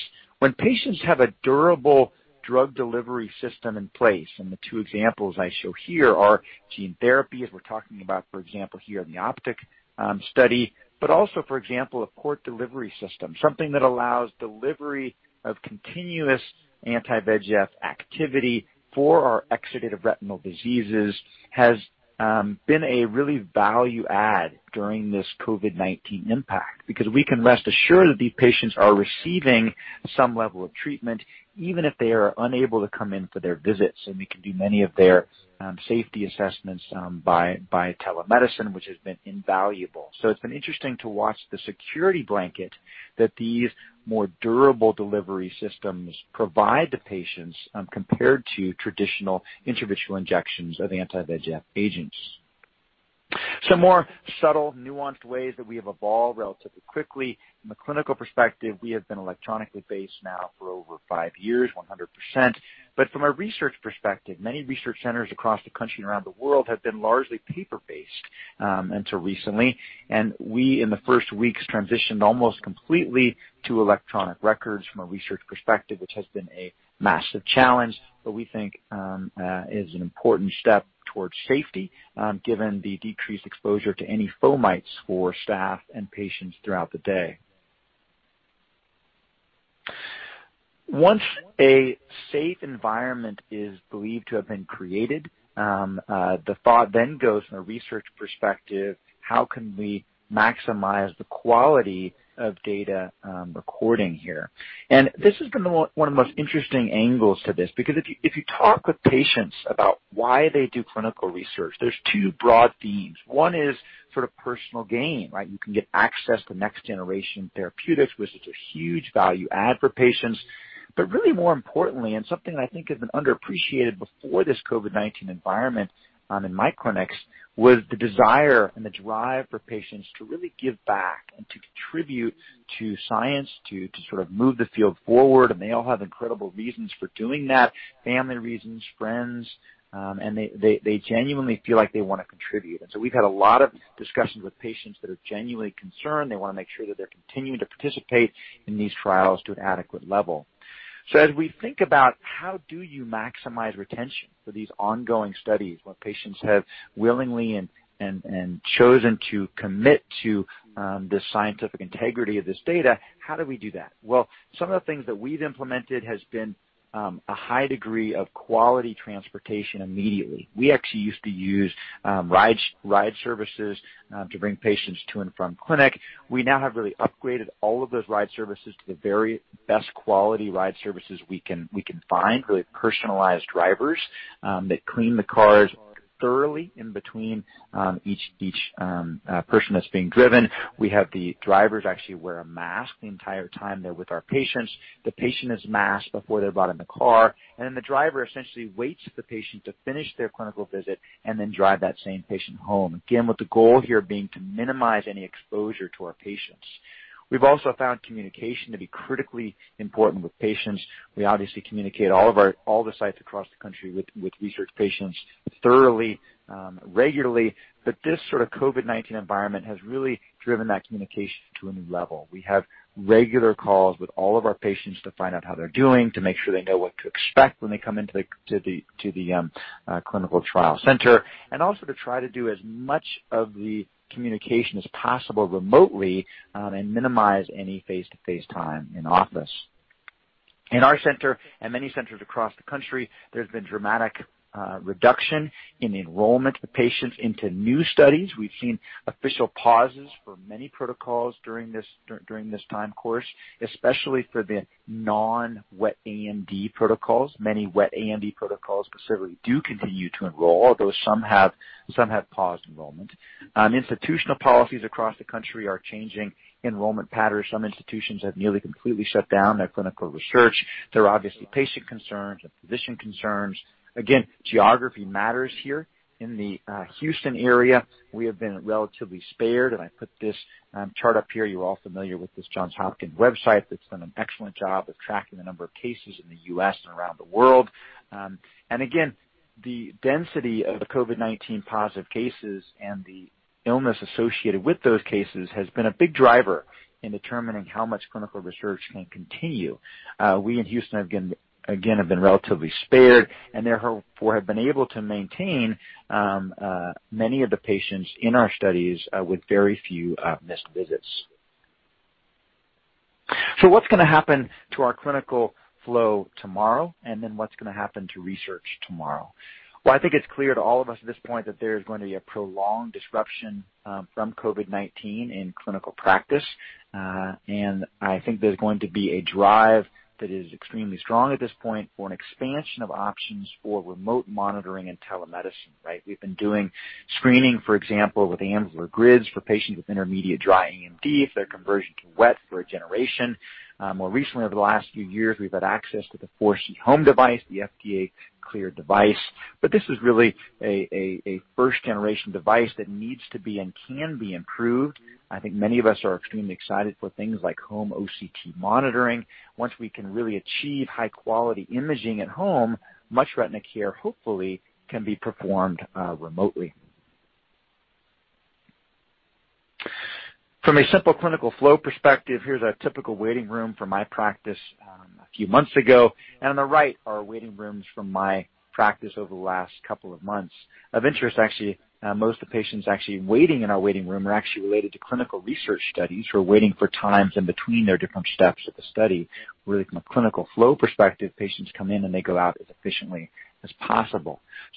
when patients have a durable drug delivery system in place, and the two examples I show here are gene therapy, as we're talking about, for example, here in the OPTIC study. Also, for example, a port delivery system, something that allows delivery of continuous anti-VEGF activity for our exudative retinal diseases, has been a really value-add during this COVID-19 impact. We can rest assured that these patients are receiving some level of treatment, even if they are unable to come in for their visits, and we can do many of their safety assessments by telemedicine, which has been invaluable. It's been interesting to watch the security blanket that these more durable delivery systems provide the patients, compared to traditional intravitreal injections of anti-VEGF agents. Some more subtle, nuanced ways that we have evolved relatively quickly. From a clinical perspective, we have been electronically based now for over five years, 100%. From a research perspective, many research centers across the country and around the world have been largely paper-based until recently. We, in the first weeks, transitioned almost completely to electronic records from a research perspective, which has been a massive challenge, but we think is an an important step towards safety, given the decreased exposure to any fomites for staff and patients throughout the day. Once a safe environment is believed to have been created, the thought then goes from a research perspective, how can we maximize the quality of data recording here? This has been one of the most interesting angles to this, because if you talk with patients about why they do clinical research, there's two broad themes. One is sort of personal gain, right? You can get access to next-generation therapeutics, which is a huge value add for patients. Really more importantly, and something that I think has been underappreciated before this COVID-19 environment in my clinics, was the desire and the drive for patients to really give back and to contribute to science, to sort of move the field forward. They all have incredible reasons for doing that, family reasons, friends, and they genuinely feel like they want to contribute. We've had a lot of discussions with patients that are genuinely concerned. They want to make sure that they're continuing to participate in these trials to an adequate level. As we think about how do you maximize retention for these ongoing studies, when patients have willingly and chosen to commit to the scientific integrity of this data, how do we do that? Well, some of the things that we've implemented has been a high degree of quality transportation immediately. We actually used to use ride services to bring patients to and from clinic. We now have really upgraded all of those ride services to the very best quality ride services we can find, really personalized drivers that clean the cars thoroughly in between each person that's being driven. We have the drivers actually wear a mask the entire time they're with our patients. The patient is masked before they're brought in the car. The driver essentially waits for the patient to finish their clinical visit and then drive that same patient home. Again, with the goal here being to minimize any exposure to our patients. We've also found communication to be critically important with patients. We obviously communicate all the sites across the country with research patients thoroughly, regularly. This sort of COVID-19 environment has really driven that communication to a new level. We have regular calls with all of our patients to find out how they're doing, to make sure they know what to expect when they come into the clinical trial center, and also to try to do as much of the communication as possible remotely and minimize any face-to-face time in office. In our center and many centers across the country, there's been dramatic reduction in enrollment of patients into new studies. We've seen official pauses for many protocols during this time course, especially for the non-wet AMD protocols. Many wet AMD protocols specifically do continue to enroll, although some have paused enrollment. Institutional policies across the country are changing enrollment patterns. Some institutions have nearly completely shut down their clinical research. There are obviously patient concerns and physician concerns. Geography matters here. In the Houston area, we have been relatively spared, and I put this chart up here. You're all familiar with this Johns Hopkins website that's done an excellent job of tracking the number of cases in the U.S. and around the world. Again, the density of the COVID-19 positive cases and the illness associated with those cases has been a big driver in determining how much clinical research can continue. We in Houston, again, have been relatively spared and therefore have been able to maintain many of the patients in our studies with very few missed visits. What's going to happen to our clinical flow tomorrow, and then what's going to happen to research tomorrow? Well, I think it's clear to all of us at this point that there is going to be a prolonged disruption from COVID-19 in clinical practice. I think there's going to be a drive that is extremely strong at this point for an expansion of options for remote monitoring and telemedicine, right? We've been doing screening, for example, with Amsler grids for patients with intermediate dry AMD for their conversion to wet through a generation. More recently, over the last few years, we've had access to the ForeseeHome device, the FDA-cleared device. This is really a first-generation device that needs to be and can be improved. I think many of us are extremely excited for things like home OCT monitoring. Once we can really achieve high-quality imaging at home, much retina care, hopefully, can be performed remotely. From a simple clinical flow perspective, here's a typical waiting room from my practice a few months ago, and on the right are waiting rooms from my practice over the last couple of months. Of interest, actually, most of the patients actually waiting in our waiting room are actually related to clinical research studies, who are waiting for times in between their different steps of the study, where from a clinical flow perspective, patients come in and they go out as efficiently as possible.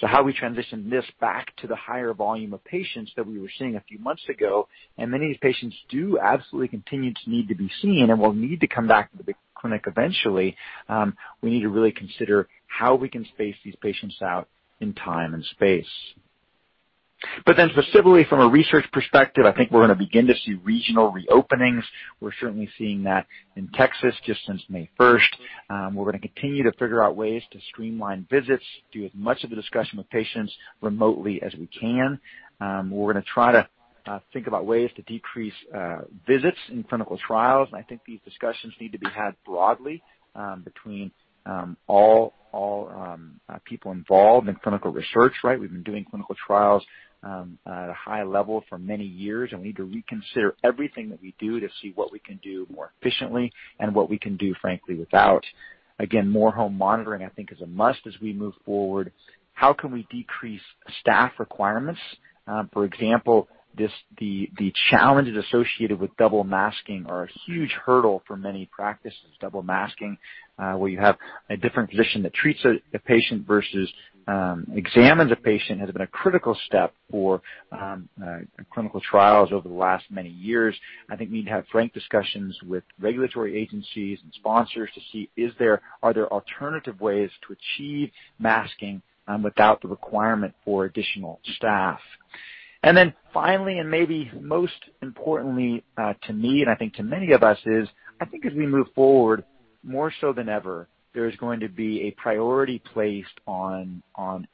How we transition this back to the higher volume of patients that we were seeing a few months ago, and many of these patients do absolutely continue to need to be seen and will need to come back to the clinic eventually, we need to really consider how we can space these patients out in time and space. Specifically from a research perspective, I think we're going to begin to see regional reopenings. We're certainly seeing that in Texas just since May 1st. We're going to continue to figure out ways to streamline visits, do as much of the discussion with patients remotely as we can. We're going to try to think about ways to decrease visits in clinical trials. I think these discussions need to be had broadly between all people involved in clinical research, right? We've been doing clinical trials at a high level for many years. We need to reconsider everything that we do to see what we can do more efficiently and what we can do, frankly, without. Again, more home monitoring, I think, is a must as we move forward. How can we decrease staff requirements? For example, the challenges associated with double masking are a huge hurdle for many practices. Double masking, where you have a different physician that treats a patient versus examines a patient, has been a critical step for clinical trials over the last many years. I think we need to have frank discussions with regulatory agencies and sponsors to see are there alternative ways to achieve masking without the requirement for additional staff? Finally, and maybe most importantly to me and I think to many of us is, I think as we move forward, more so than ever, there is going to be a priority placed on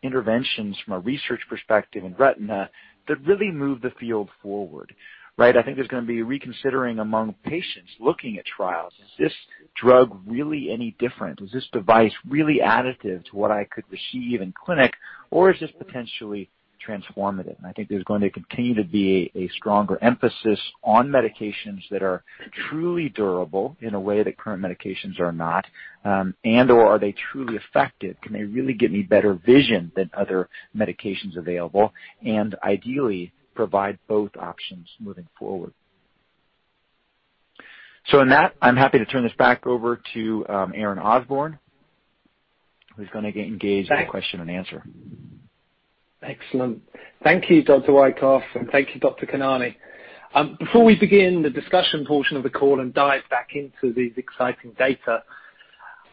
interventions from a research perspective in retina that really move the field forward. Right? I think there's going to be reconsidering among patients looking at trials. Is this drug really any different? Is this device really additive to what I could receive in clinic, or is this potentially transformative? I think there's going to continue to be a stronger emphasis on medications that are truly durable in a way that current medications are not, and, or are they truly effective? Can they really get me better vision than other medications available? Ideally provide both options moving forward. In that, I'm happy to turn this back over to Aaron Osborne, who's going to get engaged in question-and-answer. Excellent. Thank you, Dr. Wykoff, and thank you, Dr. Khanani. Before we begin the discussion portion of the call and dive back into these exciting data,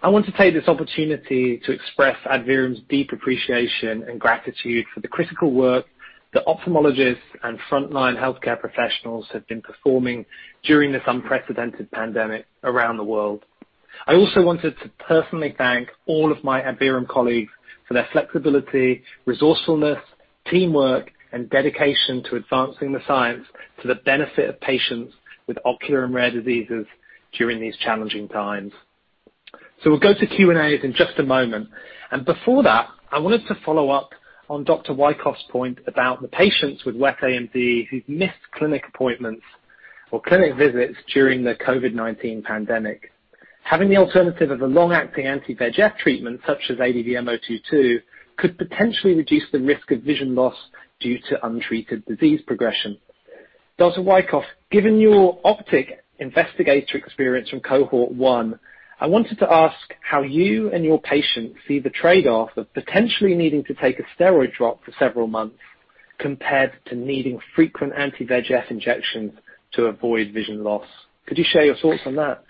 I want to take this opportunity to express Adverum's deep appreciation and gratitude for the critical work that ophthalmologists and frontline healthcare professionals have been performing during this unprecedented pandemic around the world. I also wanted to personally thank all of my Adverum colleagues for their flexibility, resourcefulness, teamwork, and dedication to advancing the science to the benefit of patients with ocular and rare diseases during these challenging times. We'll go to Q&A in just a moment. Before that, I wanted to follow up on Dr. Wykoff's point about the patients with wet AMD who've missed clinic appointments or clinic visits during the COVID-19 pandemic. Having the alternative of a long-acting anti-VEGF treatment such as ADVM-022 could potentially reduce the risk of vision loss due to untreated disease progression. Dr. Wykoff, given your OPTIC investigatory experience from Cohort one, I wanted to ask how you and your patients see the trade-off of potentially needing to take a steroid drop for several months compared to needing frequent anti-VEGF injections to avoid vision loss. Could you share your thoughts on that?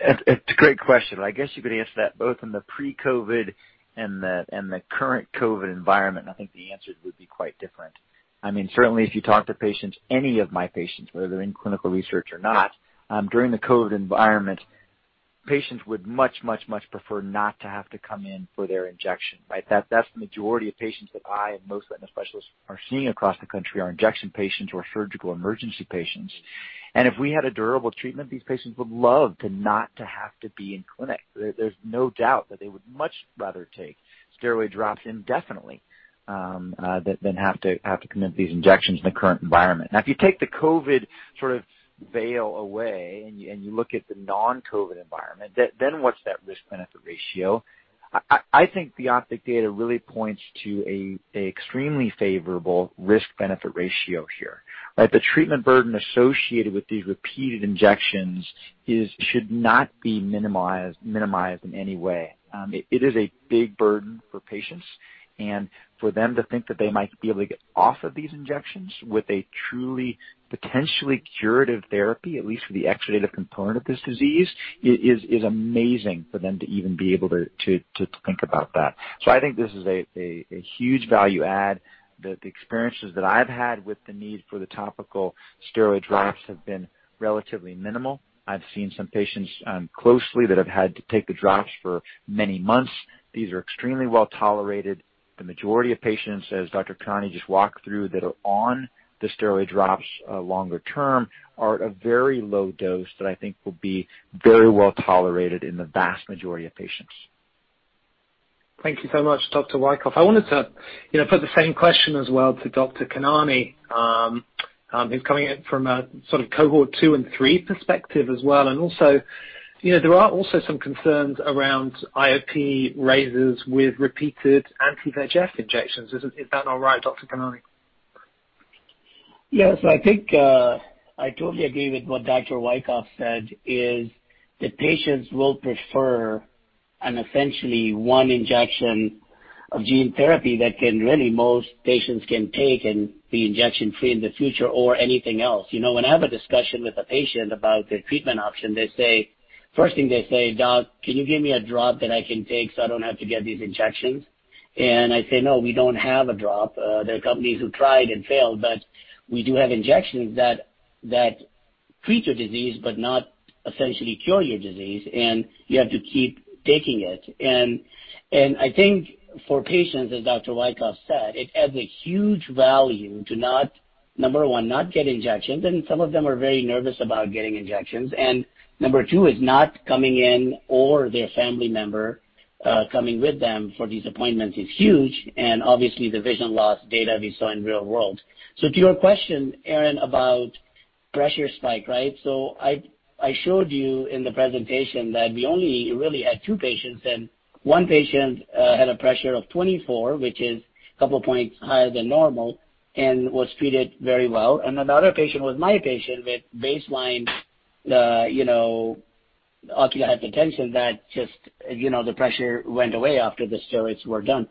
It's a great question. I guess you could answer that both in the pre-COVID and the current COVID environment. I think the answers would be quite different. Certainly, if you talk to patients, any of my patients, whether they're in clinical research or not, during the COVID environment, patients would much prefer not to have to come in for their injection, right? That's the majority of patients that I and most retina specialists are seeing across the country are injection patients or surgical emergency patients. If we had a durable treatment, these patients would love not to have to be in clinic. There's no doubt that they would much rather take steroid drops indefinitely than have to come in for these injections in the current environment. If you take the COVID veil away and you look at the non-COVID environment, what's that risk-benefit ratio? I think the OPTIC data really points to an extremely favorable risk-benefit ratio here, right? The treatment burden associated with these repeated injections should not be minimized in any way. For them to think that they might be able to get off of these injections with a truly potentially curative therapy, at least for the exudative component of this disease, is amazing for them to even be able to think about that. I think this is a huge value add. The experiences that I've had with the need for the topical steroid drops have been relatively minimal. I've seen some patients closely that have had to take the drops for many months. These are extremely well-tolerated. The majority of patients, as Dr. Khanani just walked through, that are on the steroid drops longer term are at a very low dose that I think will be very well tolerated in the vast majority of patients. Thank you so much, Dr. Wykoff. I wanted to put the same question as well to Dr. Khanani, who's coming in from a sort of Cohort 2 and 3 perspective as well. Also, there are also some concerns around IOP raises with repeated anti-VEGF injections. Is that all right, Dr. Khanani? Yes. I think I totally agree with what Dr. Wykoff said, is that patients will prefer an essentially one injection of gene therapy that can really most patients can take and be injection free in the future or anything else. When I have a discussion with a patient about their treatment option, first thing they say, "Doc, can you give me a drop that I can take so I don't have to get these injections?" I say, "No, we don't have a drop. There are companies who tried and failed, but we do have injections that treat your disease, but not essentially cure your disease. You have to keep taking it." I think for patients, as Dr. Wykoff said, it adds a huge value to, number one, not get injections, and some of them are very nervous about getting injections. Number two is not coming in or their family member coming with them for these appointments is huge, obviously the vision loss data we saw in real world. To your question, Aaron, about pressure spike, right? I showed you in the presentation that we only really had two patients, and one patient had a pressure of 24, which is a couple of points higher than normal and was treated very well. Another patient was my patient with baseline ocular hypertension that just the pressure went away after the steroids were done.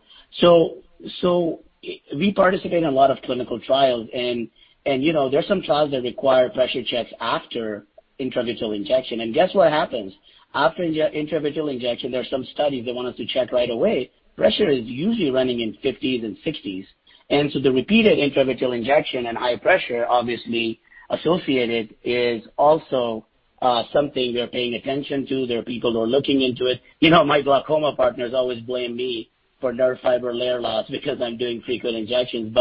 We participate in a lot of clinical trials, and there are some trials that require pressure checks after intravitreal injection. Guess what happens? After intravitreal injection, there are some studies that want us to check right away. Pressure is usually running in 50s and 60s. The repeated intravitreal injection and high pressure obviously associated is also something we are paying attention to. There are people who are looking into it. My glaucoma partners always blame me for nerve fiber layer loss because I'm doing frequent injections.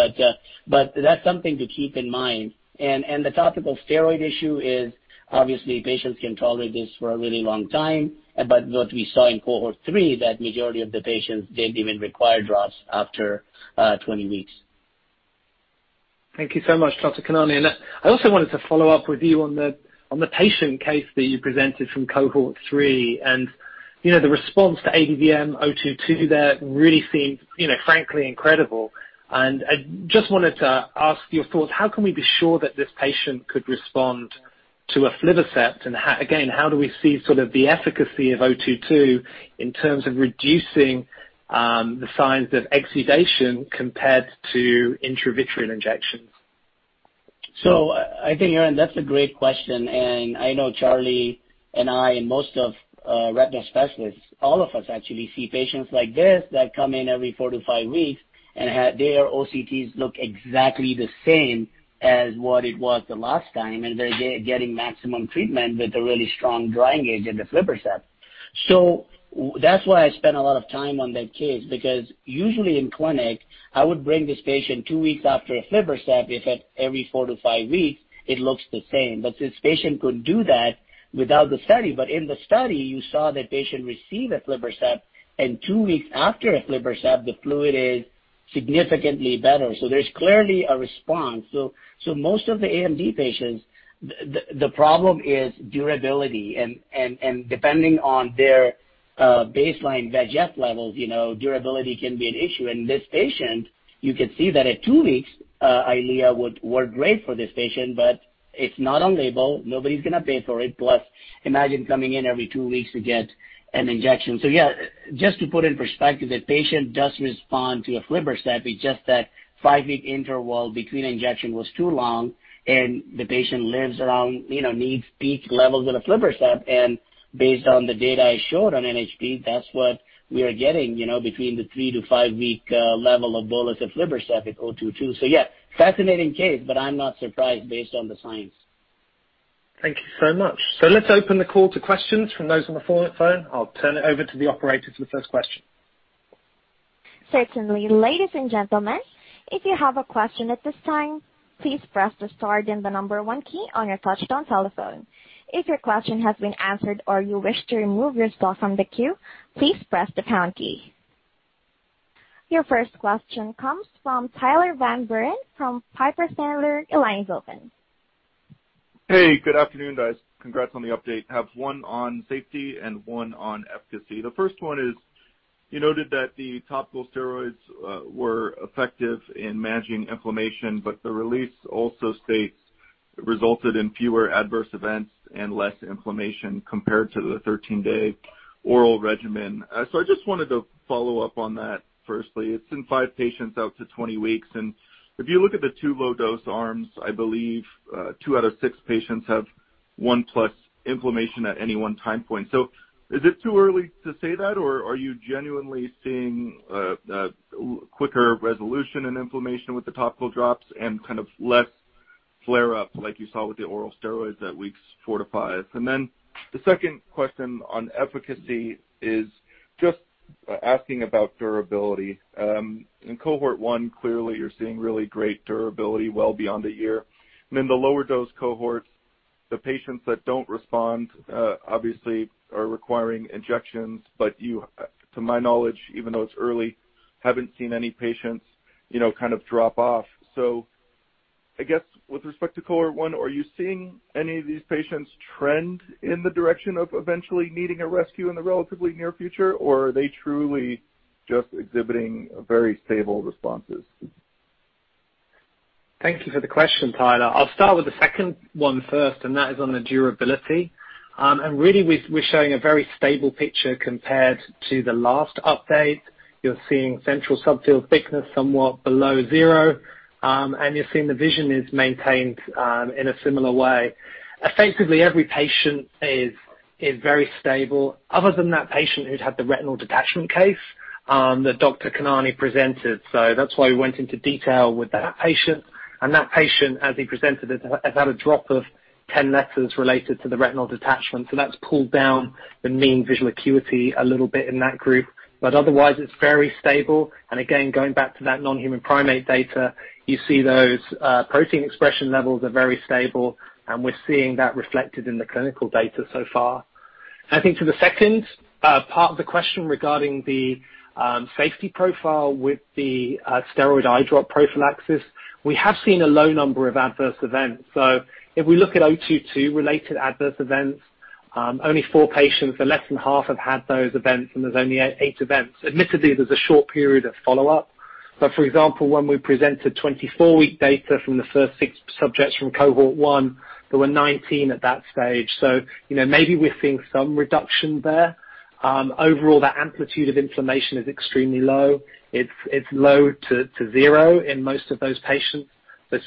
That's something to keep in mind. The topical steroid issue is, obviously, patients can tolerate this for a really long time. What we saw in Cohort 3, that majority of the patients didn't even require drops after 20 weeks. Thank you so much, Dr. Khanani. I also wanted to follow up with you on the patient case that you presented from Cohort 3, and the response to ADVM-022 there really seemed, frankly, incredible. I just wanted to ask your thoughts. How can we be sure that this patient could respond to aflibercept? Again, how do we see sort of the efficacy of 022 in terms of reducing the signs of exudation compared to intravitreal injections? I think, Aaron, that's a great question, and I know Charlie and I and most of retina specialists, all of us actually see patients like this that come in every four to five weeks and their OCTs look exactly the same as what it was the last time, and they're getting maximum treatment with a really strong drying agent, aflibercept. That's why I spent a lot of time on that case, because usually in clinic, I would bring this patient two weeks after aflibercept if at every four to five weeks it looks the same. This patient could do that without the study. In the study, you saw the patient receive aflibercept, and two weeks after aflibercept, the fluid is significantly better. There's clearly a response. Most of the AMD patients, the problem is durability. Depending on their baseline VEGF levels, durability can be an issue. In this patient, you can see that at two weeks, EYLEA would work great for this patient. It's not on label. Nobody's going to pay for it. Plus, imagine coming in every two weeks to get an injection. Just to put in perspective, the patient does respond to aflibercept. It's just that five-week interval between injection was too long and the patient lives around, needs peak levels of aflibercept. Based on the data I showed on NHP, that's what we are getting, between the three to five-week level of bolus aflibercept at 022. Fascinating case, but I'm not surprised based on the science. Thank you so much. Let's open the call to questions from those on the phone. I'll turn it over to the operator for the first question. Certainly. Ladies and gentlemen, if you have a question at this time, please press the star then the number one key on your touchtone telephone. If your question has been answered or you wish to remove yourself from the queue, please press the pound key. Your first question comes from Tyler Van Buren from Piper Sandler. Your line is open. Hey, good afternoon, guys. Congrats on the update. I have one on safety and one on efficacy. The first one is, you noted that the topical steroids were effective in managing inflammation, but the release also states resulted in fewer adverse events and less inflammation compared to the 13-day oral regimen. I just wanted to follow up on that, firstly. It's in five patients out to 20 weeks, and if you look at the two low-dose arms, I believe two out of six patients have 1 plus inflammation at any one time point. Is it too early to say that, or are you genuinely seeing a quicker resolution in inflammation with the topical drops and kind of less flare up like you saw with the oral steroids at weeks four to five? The second question on efficacy is just asking about durability. In Cohort 1, clearly you're seeing really great durability well beyond a year. In the lower dose Cohorts, the patients that don't respond, obviously are requiring injections. You, to my knowledge, even though it's early, haven't seen any patients kind of drop-off. I guess with respect to Cohort 1, are you seeing any of these patients trend in the direction of eventually needing a rescue in the relatively near future, or are they truly just exhibiting very stable responses? Thank you for the question, Tyler. I'll start with the second one first, that is on the durability. Really, we're showing a very stable picture compared to the last update. You're seeing central subfield thickness somewhat below zero. You're seeing the vision is maintained in a similar way. Effectively, every patient is very stable other than that patient who'd had the retinal detachment case that Dr. Khanani presented. That's why we went into detail with that patient. That patient, as he presented, has had a drop of 10 letters related to the retinal detachment. That's pulled down the mean visual acuity a little bit in that group. Otherwise, it's very stable. Again, going back to that non-human primate data, you see those protein expression levels are very stable, and we're seeing that reflected in the clinical data so far. I think to the second part of the question regarding the safety profile with the steroid eye drop prophylaxis, we have seen a low number of adverse events. If we look at ADVM-022-related adverse events, only four patients, so less than half, have had those events, and there's only eight events. Admittedly, there's a short period of follow-up. For example, when we presented 24-week data from the first six subjects from Cohort 1, there were 19 at that stage. Maybe we're seeing some reduction there. Overall, that amplitude of inflammation is extremely low. It's low to zero in most of those patients.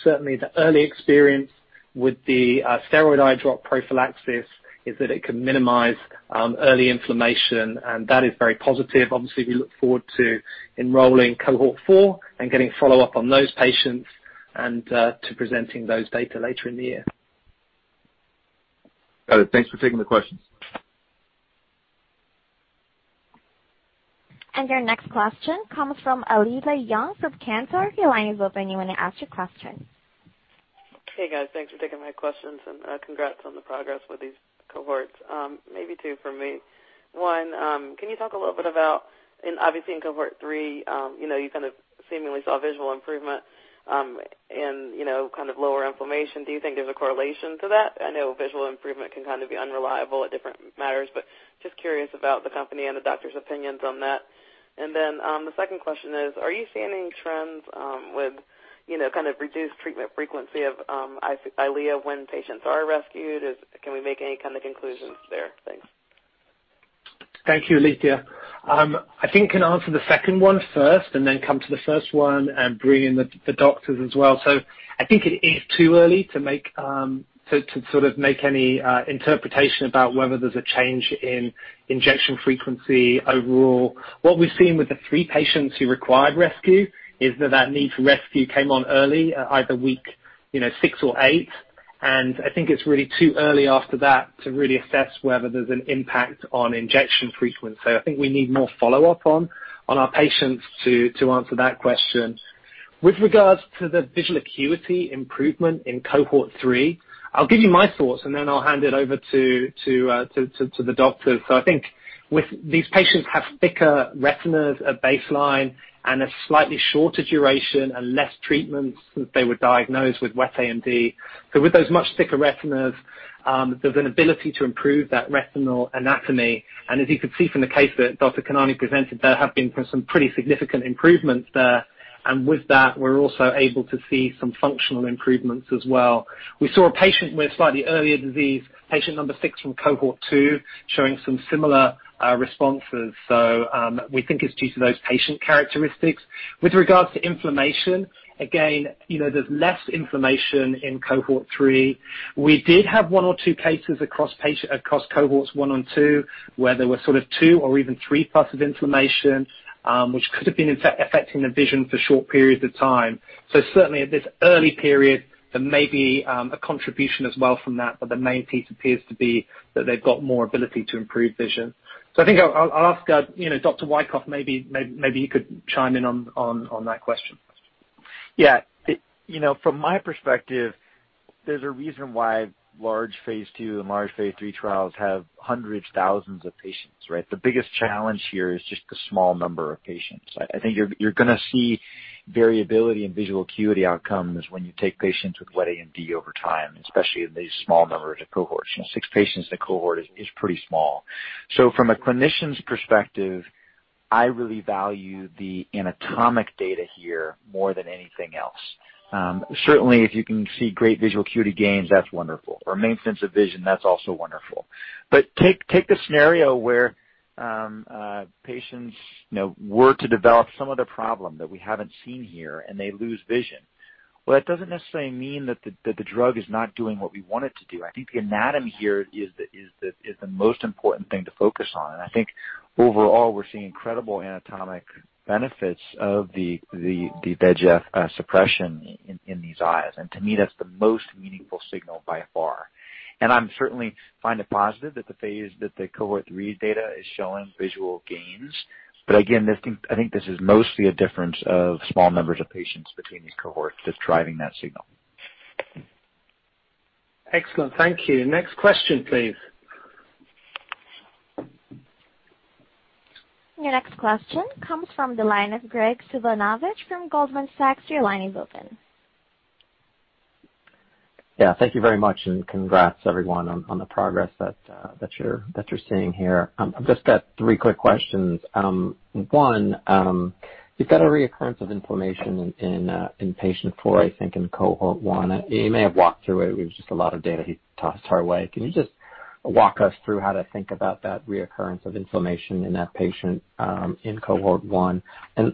Certainly, the early experience with the steroid eye drop prophylaxis is that it can minimize early inflammation, and that is very positive. Obviously, we look forward to enrolling Cohort 4 and getting follow-up on those patients and to presenting those data later in the year. Got it. Thanks for taking the questions. Your next question comes from Alethia Young from Cantor. Your line is open. You may ask your question. Hey, guys. Thanks for taking my questions, and congrats on the progress with these Cohorts. Maybe two from me. One, can you talk a little bit about, and obviously in Cohort 3, you seemingly saw visual improvement and lower inflammation. Do you think there's a correlation to that? I know visual improvement can be unreliable at different matters, but just curious about the company and the doctors' opinions on that. The second question is, are you seeing any trends with reduced treatment frequency of EYLEA when patients are rescued? Can we make any conclusions there? Thanks. Thank you, Alethia. I think I can answer the second one first, then come to the first one and bring in the doctors as well. I think it is too early to sort of make any interpretation about whether there's a change in injection frequency overall. What we've seen with the three patients who required rescue is that need for rescue came on early, at either week six or eight. I think it's really too early after that to really assess whether there's an impact on injection frequency. I think we need more follow-up on our patients to answer that question. With regards to the visual acuity improvement in Cohort 3, I'll give you my thoughts, then I'll hand it over to the doctors. I think these patients have thicker retinas at baseline and a slightly shorter duration and less treatments since they were diagnosed with wet AMD. As you could see from the case that Dr. Khanani presented, there have been some pretty significant improvements there. With that, we are also able to see some functional improvements as well. We saw a patient with slightly earlier disease, patient number six from Cohort 2, showing some similar responses. We think it is due to those patient characteristics. With regards to inflammation, again, there is less inflammation in Cohort 3. We did have one or two cases across Cohorts 1 and 2 where there were sort of two or even 3+ of inflammation, which could have been affecting the vision for short periods of time. Certainly at this early period, there may be a contribution as well from that, but the main piece appears to be that they've got more ability to improve vision. I think I'll ask Dr. Wykoff, maybe you could chime in on that question. Yeah. From my perspective, there's a reason why large phase II and large phase III trials have hundreds, thousands of patients, right? The biggest challenge here is just the small number of patients. I think you're going to see variability in visual acuity outcomes when you take patients with wet AMD over time, especially in these small numbers of Cohorts. Six patients in a Cohort is pretty small. From a clinician's perspective, I really value the anatomic data here more than anything else. Certainly, if you can see great visual acuity gains, that's wonderful. Main sense of vision, that's also wonderful. Take the scenario where patients were to develop some other problem that we haven't seen here, and they lose vision. Well, that doesn't necessarily mean that the drug is not doing what we want it to do. I think the anatomy here is the most important thing to focus on. I think overall, we're seeing incredible anatomic benefits of the VEGF suppression in these eyes. To me, that's the most meaningful signal by far. I certainly find it positive that the Cohort 3 data is showing visual gains. Again, I think this is mostly a difference of small numbers of patients between these Cohorts just driving that signal. Excellent. Thank you. Next question, please. Your next question comes from the line of Graig Suvannavejh from Goldman Sachs. Your line is open. Yeah. Thank you very much. Congrats everyone on the progress that you're seeing here. I've just got three quick questions. One, you've got a reoccurrence of inflammation in patient four, I think, in Cohort 1. You may have walked through it with just a lot of data you tossed our way. Can you just walk us through how to think about that reoccurrence of inflammation in that patient, in Cohort 1?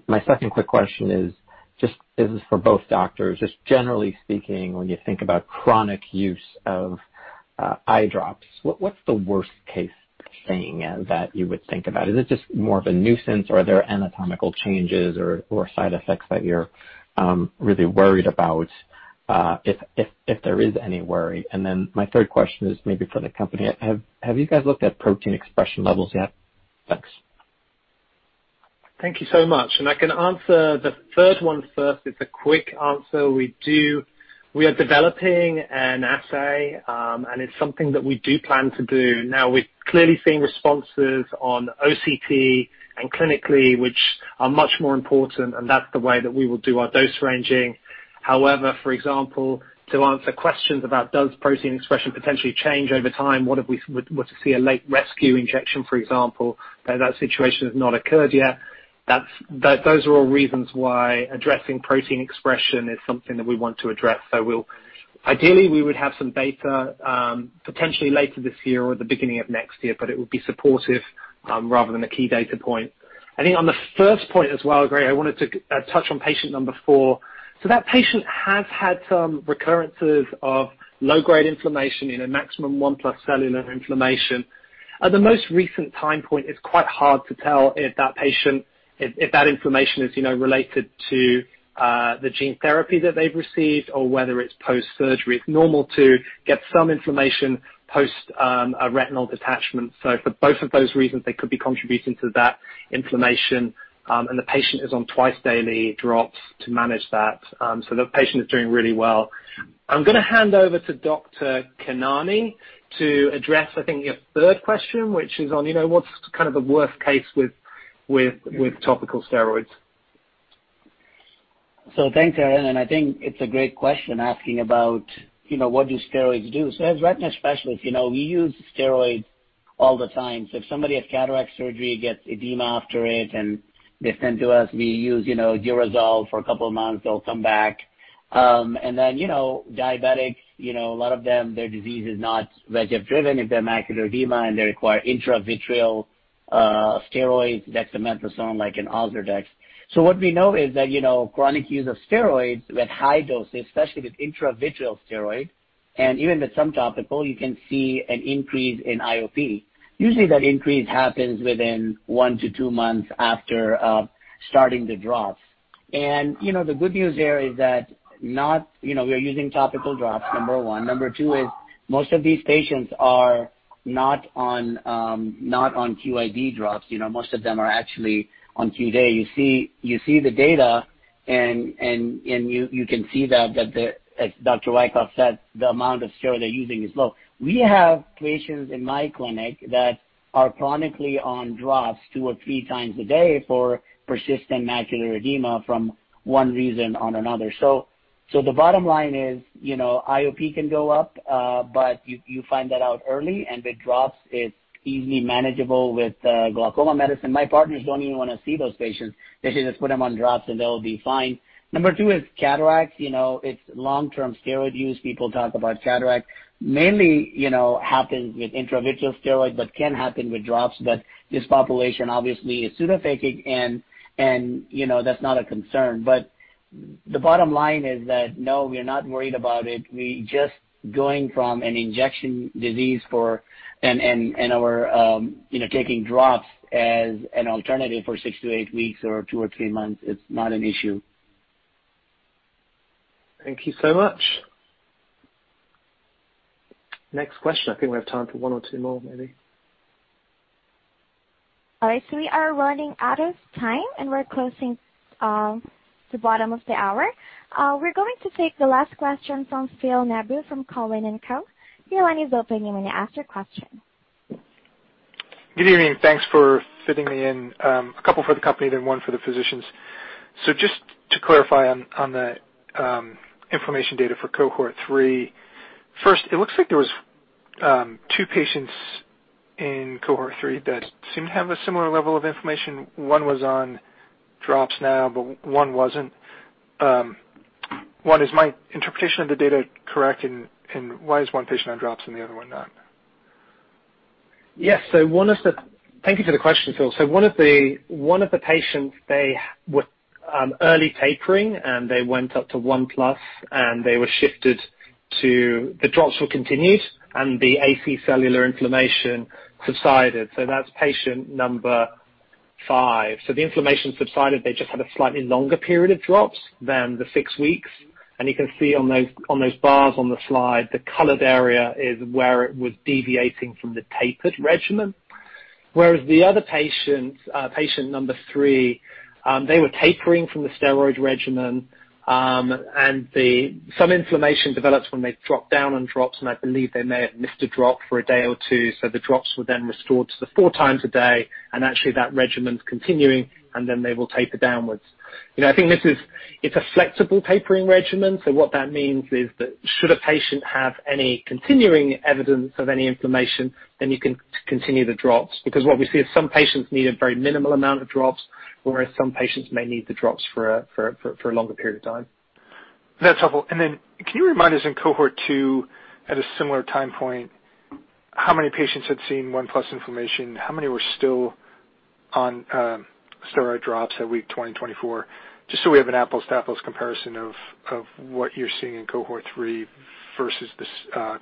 My second quick question is just, this is for both doctors, just generally speaking when you think about chronic use of eye drops, what's the worst case thing that you would think about? Is it just more of a nuisance or are there anatomical changes or side effects that you're really worried about, if there is any worry? My third question is maybe for the company. Have you guys looked at protein expression levels yet? Thanks. Thank you so much. I can answer the third one first. It's a quick answer. We are developing an assay, and it's something that we do plan to do. We're clearly seeing responses on OCT and clinically, which are much more important, and that's the way that we will do our dose ranging. However, for example, to answer questions about does protein expression potentially change over time, what if we were to see a late rescue injection, for example. Though that situation has not occurred yet. Those are all reasons why addressing protein expression is something that we want to address. Ideally we would have some data potentially later this year or the beginning of next year, but it would be supportive rather than a key data point. I think on the first point as well, Graig, I wanted to touch on patient number four. That patient has had some recurrences of low-grade inflammation in a maximum 1+ cellular inflammation. At the most recent time point, it's quite hard to tell if that inflammation is related to the gene therapy that they've received or whether it's post-surgery. It's normal to get some inflammation post a retinal detachment. For both of those reasons, they could be contributing to that inflammation, and the patient is on twice-daily drops to manage that. The patient is doing really well. I'm going to hand over to Dr. Khanani to address, I think, your third question, which is on what's the worst case with topical steroids. Thanks, Aaron, and I think it's a great question asking about what do steroids do. As retina specialists, we use steroids all the time. If somebody has cataract surgery, gets edema after it, and they're sent to us, we use DUREZOL for a couple of months. They'll come back. Then diabetics, a lot of them, their disease is not VEGF driven if they're macular edema and they require intravitreal steroids, dexamethasone, like in OZURDEX. What we know is that chronic use of steroids with high doses, especially with intravitreal steroids, and even with some topical, you can see an increase in IOP. Usually, that increase happens within one to two months after starting the drops. The good news there is that we are using topical drops, number one. Number two is most of these patients are not on QID drops. Most of them are actually on qd. You see the data and you can see that, as Dr. Wykoff said, the amount of steroid they're using is low. We have patients in my clinic that are chronically on drops two or three times a day for persistent macular edema from one reason or another. The bottom line is, IOP can go up, but you find that out early, and with drops, it's easily manageable with glaucoma medicine. My partners don't even want to see those patients. They say, "Let's put them on drops, and they'll be fine." Number two is cataracts. It's long-term steroid use. People talk about cataracts mainly happening with intravitreal steroids but can happen with drops. This population obviously is pseudophakic, and that's not a concern. The bottom line is that no, we're not worried about it. We're just going from an injection disease and taking drops as an alternative for six to eight weeks or two or three months. It's not an issue. Thank you so much. Next question. I think we have time for one or two more, maybe. All right. We are running out of time, and we're closing the bottom of the hour. We're going to take the last question from Phil Nadeau from Cowen and Co. Your line is open. You may ask your question. Good evening. Thanks for fitting me in. A couple for the company, then one for the physicians. Just to clarify on the inflammation data for Cohort 3, first, it looks like there was two patients in Cohort 3 that seemed to have a similar level of inflammation. One was on drops now, but one wasn't. One, is my interpretation of the data correct, and why is one patient on drops and the other one not? Yes. Thank you for the question, Phil. One of the patients, they were early tapering, and they went up to one plus, the drops were continued and the AC cellular inflammation subsided. That's patient number five. The inflammation subsided. They just had a slightly longer period of drops than the six weeks. You can see on those bars on the slide, the colored area is where it was deviating from the tapered regimen. Whereas the other patient number three, they were tapering from the steroid regimen, and some inflammation developed when they dropped down on drops, and I believe they may have missed a drop for a day or two. The drops were then restored to the 4x a day, and actually, that regimen's continuing, and then they will taper downwards. I think it's a flexible tapering regimen. What that means is that should a patient have any continuing evidence of any inflammation, then you can continue the drops. What we see is some patients need a very minimal amount of drops, whereas some patients may need the drops for a longer period of time. That's helpful. Can you remind us, in Cohort 2, at a similar time point, how many patients had seen 1+ inflammation, how many were still on steroid drops at week 20 and 24? Just so we have an apples-to-apples comparison of what you're seeing in Cohort 3 versus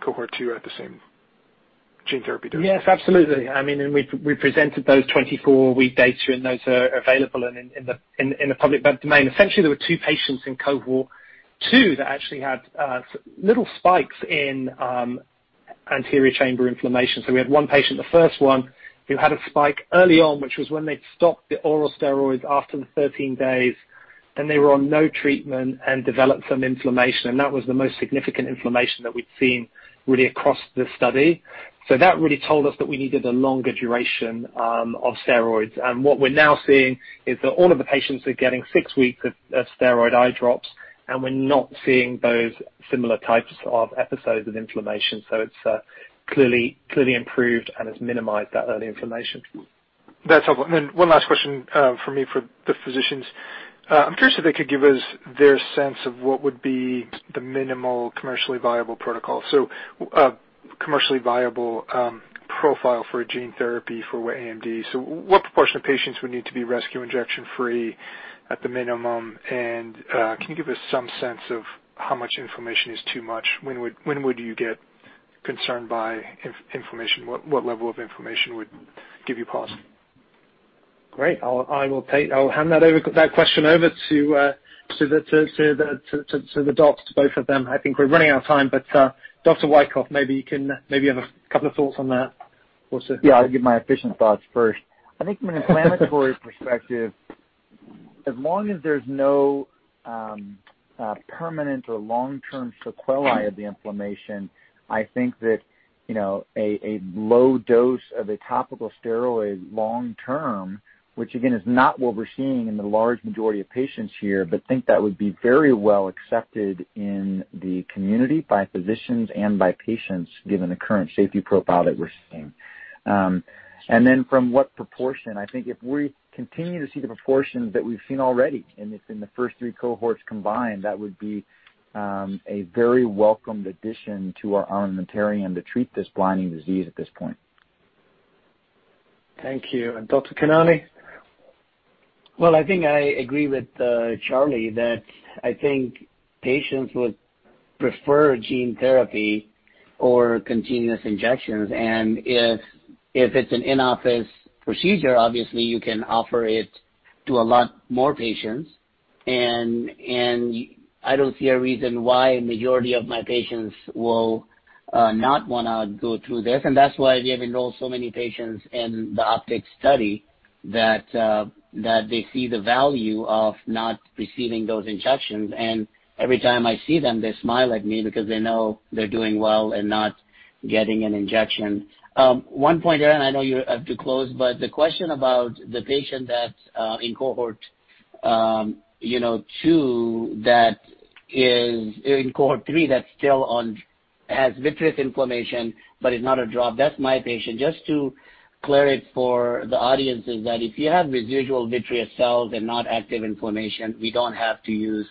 Cohort 2 at the same gene therapy dose. Yes, absolutely. I mean, we presented those 24-week data, and those are available in the public domain. There were two patients in Cohort 2 that actually had little spikes in anterior chamber inflammation. We had one patient, the first one, who had a spike early on, which was when they'd stopped the oral steroids after the 13 days, then they were on no treatment and developed some inflammation, and that was the most significant inflammation that we'd seen really across the study. That really told us that we needed a longer duration of steroids. What we're now seeing is that all of the patients are getting six weeks of steroid eye drops, and we're not seeing those similar types of episodes of inflammation. It's clearly improved and has minimized that early inflammation. That's helpful. One last question from me for the physicians. I'm curious if they could give us their sense of what would be the minimal commercially viable protocol. Commercially viable profile for a gene therapy for AMD. What proportion of patients would need to be rescue injection-free at the minimum? Can you give us some sense of how much inflammation is too much? When would you get concerned by inflammation? What level of inflammation would give you pause? Great. I will hand that question over to the docs, to both of them. I think we're running out of time. Dr. Wykoff, maybe you have a couple of thoughts on that also. Yeah, I'll give my efficient thoughts first. I think from an inflammatory perspective, as long as there's no permanent or long-term sequelae of the inflammation, I think that a low dose of a topical steroid long term, which again, is not what we're seeing in the large majority of patients here, but think that would be very well accepted in the community by physicians and by patients, given the current safety profile that we're seeing. From what proportion, I think if we continue to see the proportions that we've seen already, and it's in the first 3 Cohorts combined, that would be a very welcomed addition to our armamentarium to treat this blinding disease at this point. Thank you. Dr. Khanani? Well, I think I agree with Charlie that I think patients would prefer gene therapy or continuous injections. If it's an in-office procedure, obviously, you can offer it to a lot more patients. I don't see a reason why a majority of my patients will not want to go through this, and that's why we have enrolled so many patients in the OPTIC study that they see the value of not receiving those injections. Every time I see them, they smile at me because they know they're doing well and not getting an injection. One point, and I know you have to close, but the question about the patient that's in Cohort 3 that still has vitreous inflammation, but is not a drop. That's my patient. Just to clear it for the audience is that if you have residual vitreous cells and not active inflammation, we don't have to use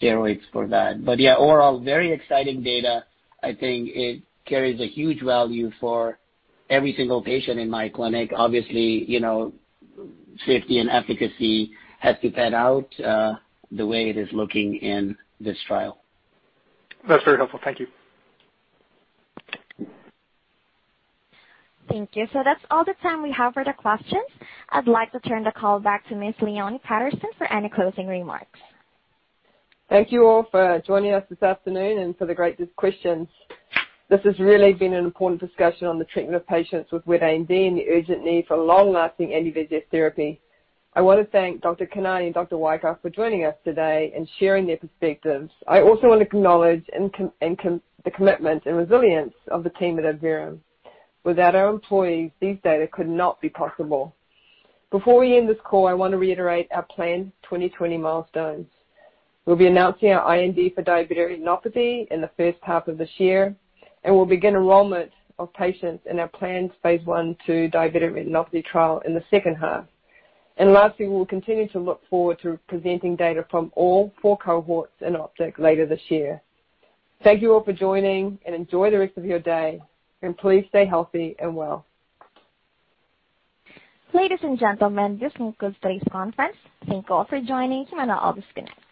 steroids for that. Yeah, overall, very exciting data. I think it carries a huge value for every single patient in my clinic. Obviously, safety and efficacy has to pan out the way it is looking in this trial. That's very helpful. Thank you. Thank you. That's all the time we have for the questions. I'd like to turn the call back to Ms. Leone Patterson for any closing remarks. Thank you all for joining us this afternoon and for the great questions. This has really been an important discussion on the treatment of patients with wet AMD and the urgent need for long-lasting anti-VEGF therapy. I want to thank Dr. Khanani and Dr. Wykoff for joining us today and sharing their perspectives. I also want to acknowledge the commitment and resilience of the team at Adverum. Without our employees, these data could not be possible. Before we end this call, I want to reiterate our planned 2020 milestones. We'll be announcing our IND for diabetic retinopathy in the first half of this year. We'll begin enrollment of patients in our planned phase I/II diabetic retinopathy trial in the second half. Lastly, we will continue to look forward to presenting data from all four Cohorts in OPTIC later this year. Thank you all for joining, and enjoy the rest of your day. Please stay healthy and well. Ladies and gentlemen, this concludes today's conference. Thank you all for joining. You may now disconnect.